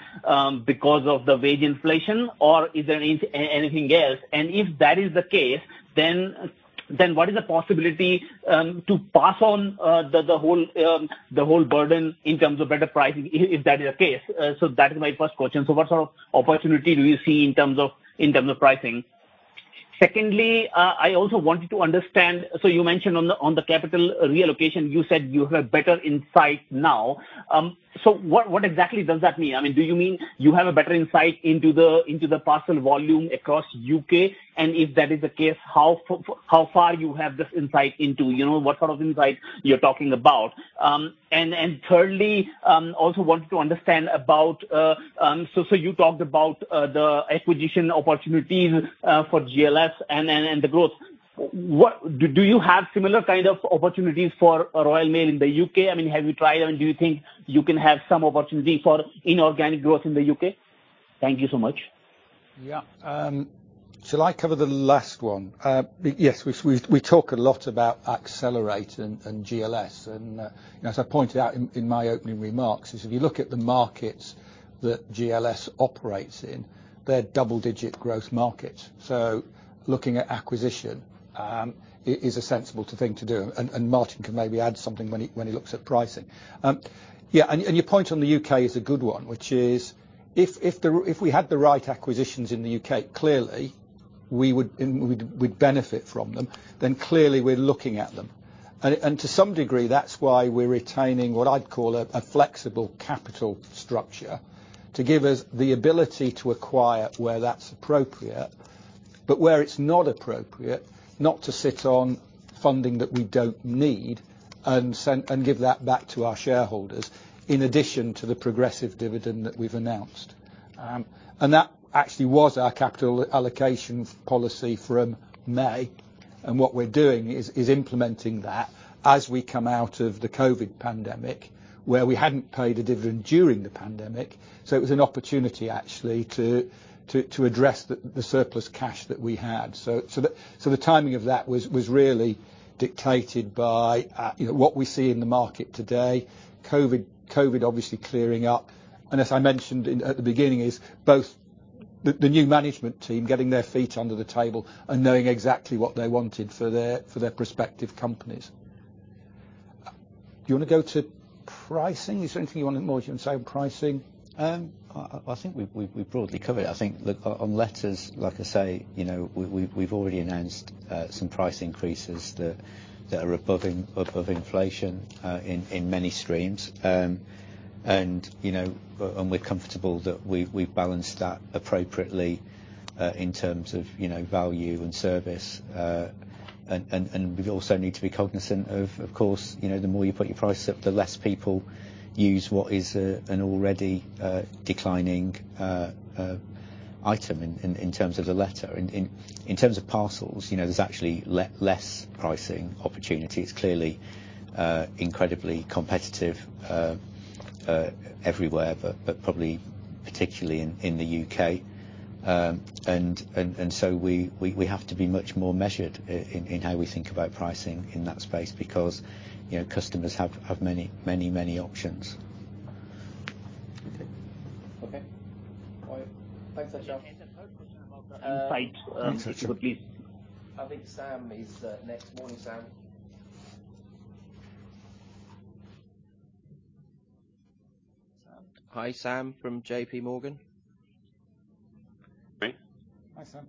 because of the wage inflation, or is there anything else? If that is the case, then what is the possibility to pass on the whole burden in terms of better pricing, if that is the case? That is my first question. What sort of opportunity do you see in terms of pricing? Secondly, I also wanted to understand. You mentioned on the capital reallocation, you said you have better insight now. What exactly does that mean? I mean, do you mean you have a better insight into the parcel volume across U.K.? And if that is the case, how far you have this insight into? You know, what sort of insight you're talking about? And thirdly, I also wanted to understand. You talked about the acquisition opportunities for GLS and the growth. Do you have similar kind of opportunities for Royal Mail in the U.K.? I mean, have you tried them, and do you think you can have some opportunity for inorganic growth in the U.K.? Thank you so much. Yeah. Shall I cover the last one? Yes, we talk a lot about accelerating and GLS. As I pointed out in my opening remarks is if you look at the markets that GLS operates in, they're double-digit growth markets. Looking at acquisition is a sensible thing to do, and Martin can maybe add something when he looks at pricing. Yeah, your point on the U.K. is a good one, which is if we had the right acquisitions in the U.K., clearly, we would benefit from them, then clearly, we're looking at them. To some degree, that's why we're retaining what I'd call a flexible capital structure to give us the ability to acquire where that's appropriate. Where it's not appropriate, not to sit on funding that we don't need and give that back to our shareholders, in addition to the progressive dividend that we've announced. That actually was our capital allocation policy from May, and what we're doing is implementing that as we come out of the COVID pandemic, where we hadn't paid a dividend during the pandemic. It was an opportunity actually to address the surplus cash that we had. The timing of that was really dictated by what we see in the market today. COVID obviously clearing up, and as I mentioned at the beginning is both the new management team getting their feet under the table and knowing exactly what they wanted for their respective companies. Do you wanna go to pricing? Is there anything you wanna say more on pricing? I think we broadly covered it. I think look, on letters, like I say, we've already announced some price increases that are above inflation in many streams. We're comfortable that we've balanced that appropriately in terms of value and service. We also need to be cognizant of course, the more you put your prices up, the less people use what is an already declining item in terms of the letter. In terms of parcels, there's actually less pricing opportunities. Clearly, incredibly competitive everywhere, but probably particularly in the U.K. We have to be much more measured in how we think about pricing in that space because, customers have many options. Okay. All right. Thanks, Aanchal. There's a third question about the. Invite answer shortly. I think Sam is next. Morning, Sam. Sam? Hi, Sam from J.P. Morgan. Hi. Hi, Sam.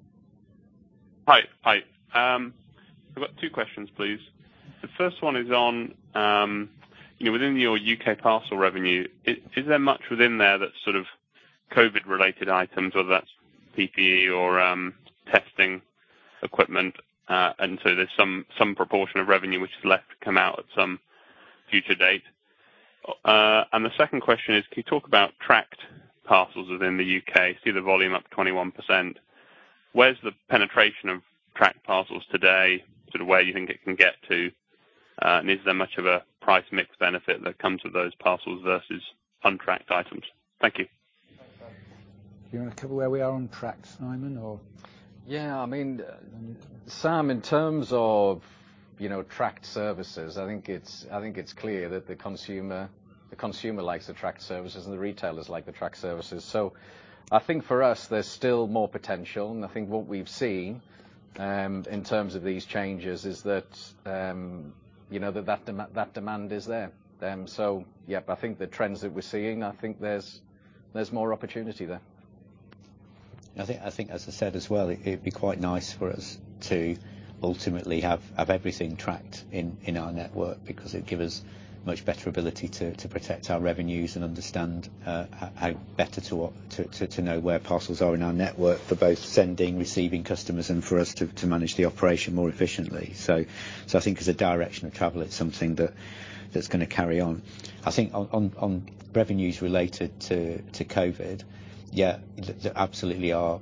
Hi. I've got two questions, please. The first one is on, within your U.K. parcel revenue, is there much within there that's sort of COVID-related items, whether that's PPE or testing equipment? There's some proportion of revenue which is left to come out at some future date. The second question is, can you talk about tracked parcels within the U.K.? See the volume up 21%. Where's the penetration of tracked parcels today to where you think it can get to? And is there much of a price mix benefit that comes with those parcels versus untracked items? Thank you. Thanks, Sam. Do you wanna cover where we are on tracks, Simon, or? Yeah, I mean, Sam, in terms of, you know, tracked services, I think it's clear that the consumer likes the tracked services and the retailers like the tracked services. I think for us, there's still more potential. I think what we've seen in terms of these changes is that that demand is there. I think the trends that we're seeing. I think there's more opportunity there. I think as I said as well, it'd be quite nice for us to ultimately have everything tracked in our network because it'd give us much better ability to protect our revenues and understand how better to know where parcels are in our network for both sending, receiving customers and for us to manage the operation more efficiently. I think as a direction of travel, it's something that's gonna carry on. I think on revenues related to COVID, yeah, there absolutely are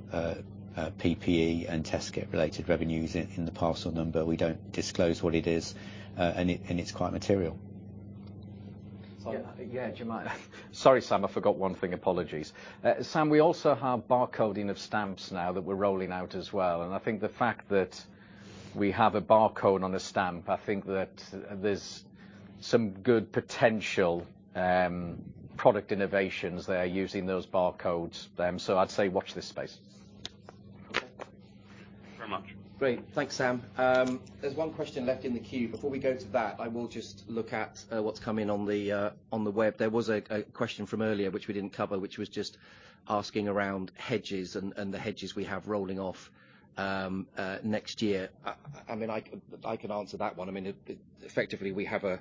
PPE and test kit related revenues in the parcel number. We don't disclose what it is, and it's quite material. Yeah. Yeah, Sam? Sorry, Sam, I forgot one thing. Apologies. Sam, we also have barcoding of stamps now that we're rolling out as well. I think the fact that we have a barcode on a stamp. I think that there's some good potential, product innovations there using those barcodes. I'd say watch this space. Okay. Thank you very much. Great. Thanks, Sam. There's one question left in the queue. Before we go to that, I will just look at what's come in on the web. There was a question from earlier which we didn't cover, which was just asking around hedges and the hedges we have rolling off next year. I mean, I can answer that one. I mean, effectively, we have a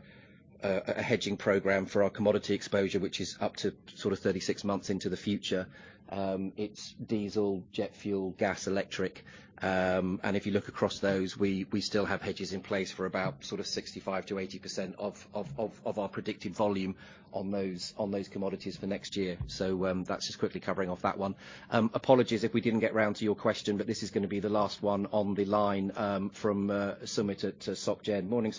hedging program for our commodity exposure, which is up to sort of 36 months into the future. It's diesel, jet fuel, gas, electric. And if you look across those, we still have hedges in place for about sort of 65%-80% of our predicted volume on those commodities for next year. That's just quickly covering off that one. Apologies if we didn't get round to your question, but this is gonna be the last one on the line from Sumit at Société Générale. Morning,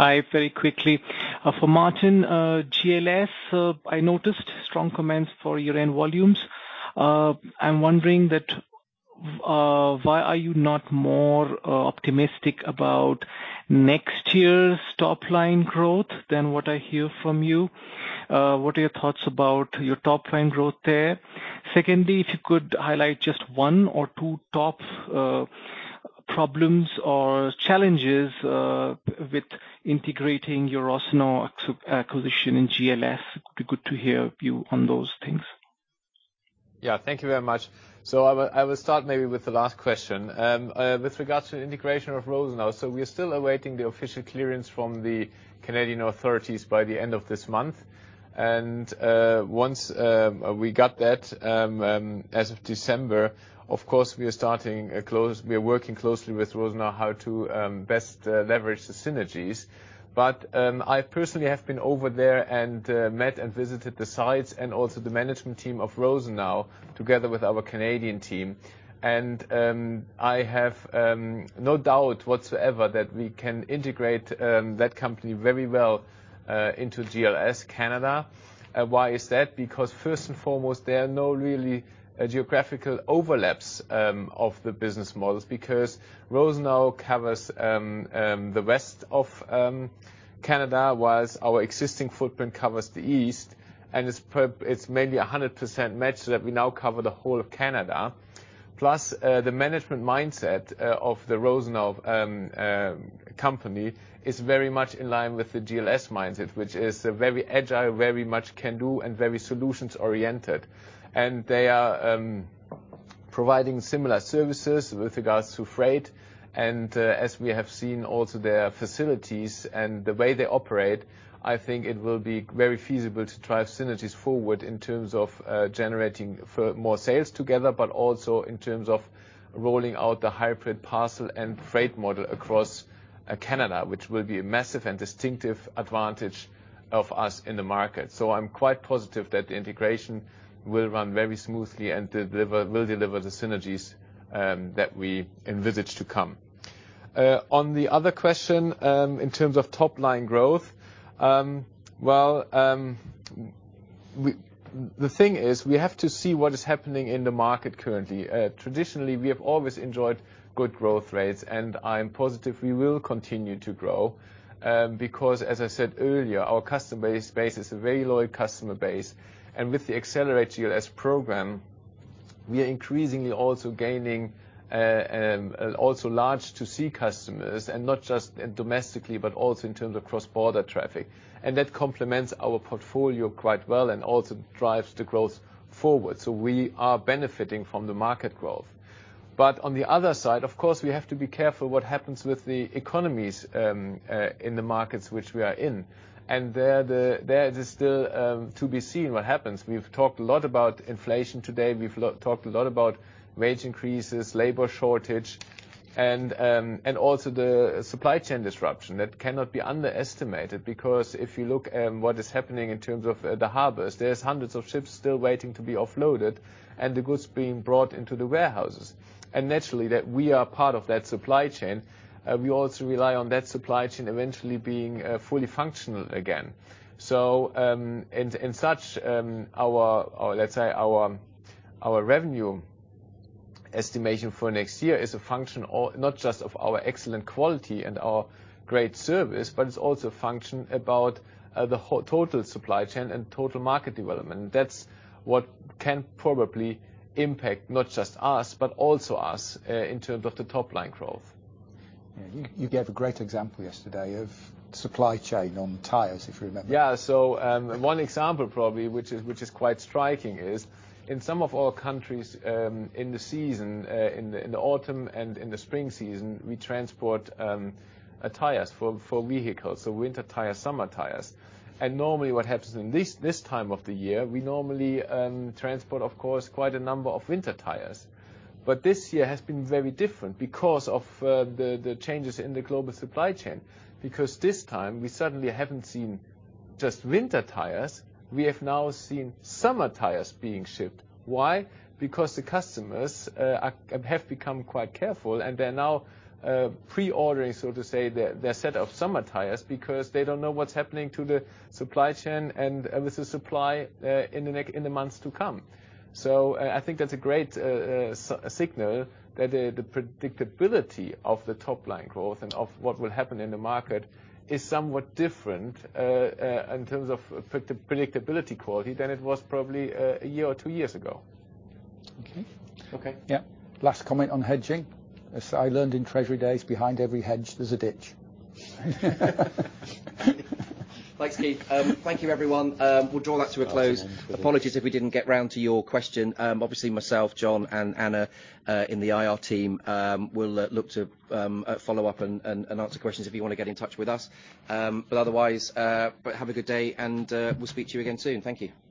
Sumit. Hi. Very quickly, for Martin, GLS, I noticed strong comments for year-end volumes. I'm wondering why are you not more optimistic about next year's top line growth than what I hear from you. What are your thoughts about your top line growth there? Secondly, if you could highlight just one or two top problems or challenges with integrating your Rosenau acquisition in GLS. Good to hear your view on those things. Thank you very much. I will start maybe with the last question with regards to integration of Rosenau. We're still awaiting the official clearance from the Canadian authorities by the end of this month. Once we got that, as of December, of course, we're working closely with Rosenau how to best leverage the synergies. I personally have been over there and met and visited the sites and also the management team of Rosenau together with our Canadian team. I have no doubt whatsoever that we can integrate that company very well into GLS Canada. Why is that? Because first and foremost, there are no really geographical overlaps of the business models because Rosenau covers the west of Canada whilst our existing footprint covers the east, and it's mainly a 100% match so that we now cover the whole of Canada. Plus, the management mindset of the Rosenau company is very much in line with the GLS mindset, which is very agile, very much can-do, and very solutions-oriented. They are providing similar services with regards to freight. As we have seen also their facilities and the way they operate, I think it will be very feasible to drive synergies forward in terms of generating for more sales together, but also in terms of rolling out the hybrid parcel and freight model across Canada, which will be a massive and distinctive advantage of us in the market. I'm quite positive that the integration will run very smoothly and deliver the synergies that we envisage to come. On the other question, in terms of top-line growth. The thing is we have to see what is happening in the market currently. Traditionally, we have always enjoyed good growth rates, and I'm positive we will continue to grow, because as I said earlier, our customer base is a very loyal customer base. With the Accelerate GLS program, we are increasingly also gaining also large to C customers, and not just domestically, but also in terms of cross-border traffic. That complements our portfolio quite well and also drives the growth forward. We are benefiting from the market growth. On the other side, of course, we have to be careful what happens with the economies in the markets which we are in. There is still to be seen what happens. We've talked a lot about inflation today, we've talked a lot about wage increases, labor shortage, and also the supply chain disruption. That cannot be underestimated because if you look at what is happening in terms of the harbors, there's hundreds of ships still waiting to be offloaded and the goods being brought into the warehouses. Naturally, that we are part of that supply chain, we also rely on that supply chain eventually being fully functional again. Our revenue estimation for next year is a function of not just of our excellent quality and our great service, but it's also a function about the total supply chain and total market development. That's what can probably impact not just us, but also us in terms of the top-line growth. Yeah. You gave a great example yesterday of supply chain on tires, if you remember. Yeah. One example probably, which is quite striking, is in some of our countries. In the autumn and in the spring season, we transport tires for vehicles. Winter tires, summer tires. Normally what happens in this time of the year, we normally transport, of course, quite a number of winter tires. This year has been very different because of the changes in the global supply chain. Because this time, we suddenly haven't seen just winter tires, we have now seen summer tires being shipped. Why? Because the customers have become quite careful, and they're now pre-ordering, so to say, their set of summer tires because they don't know what's happening to the supply chain and with the supply in the months to come. I think that's a great signal that the predictability of the top-line growth and of what will happen in the market is somewhat different in terms of predictability quality than it was probably a year or two years ago. Okay. Okay. Yeah. Last comment on hedging. As I learned in treasury days, behind every hedge, there's a ditch. Thanks, Keith. Thank you everyone. We'll draw that to a close. Apologies if we didn't get around to your question. Obviously myself, John, and Anna in the IR team will look to follow up and answer questions if you wanna get in touch with us. Otherwise, have a good day and we'll speak to you again soon. Thank you. Thank you very much. Thank you.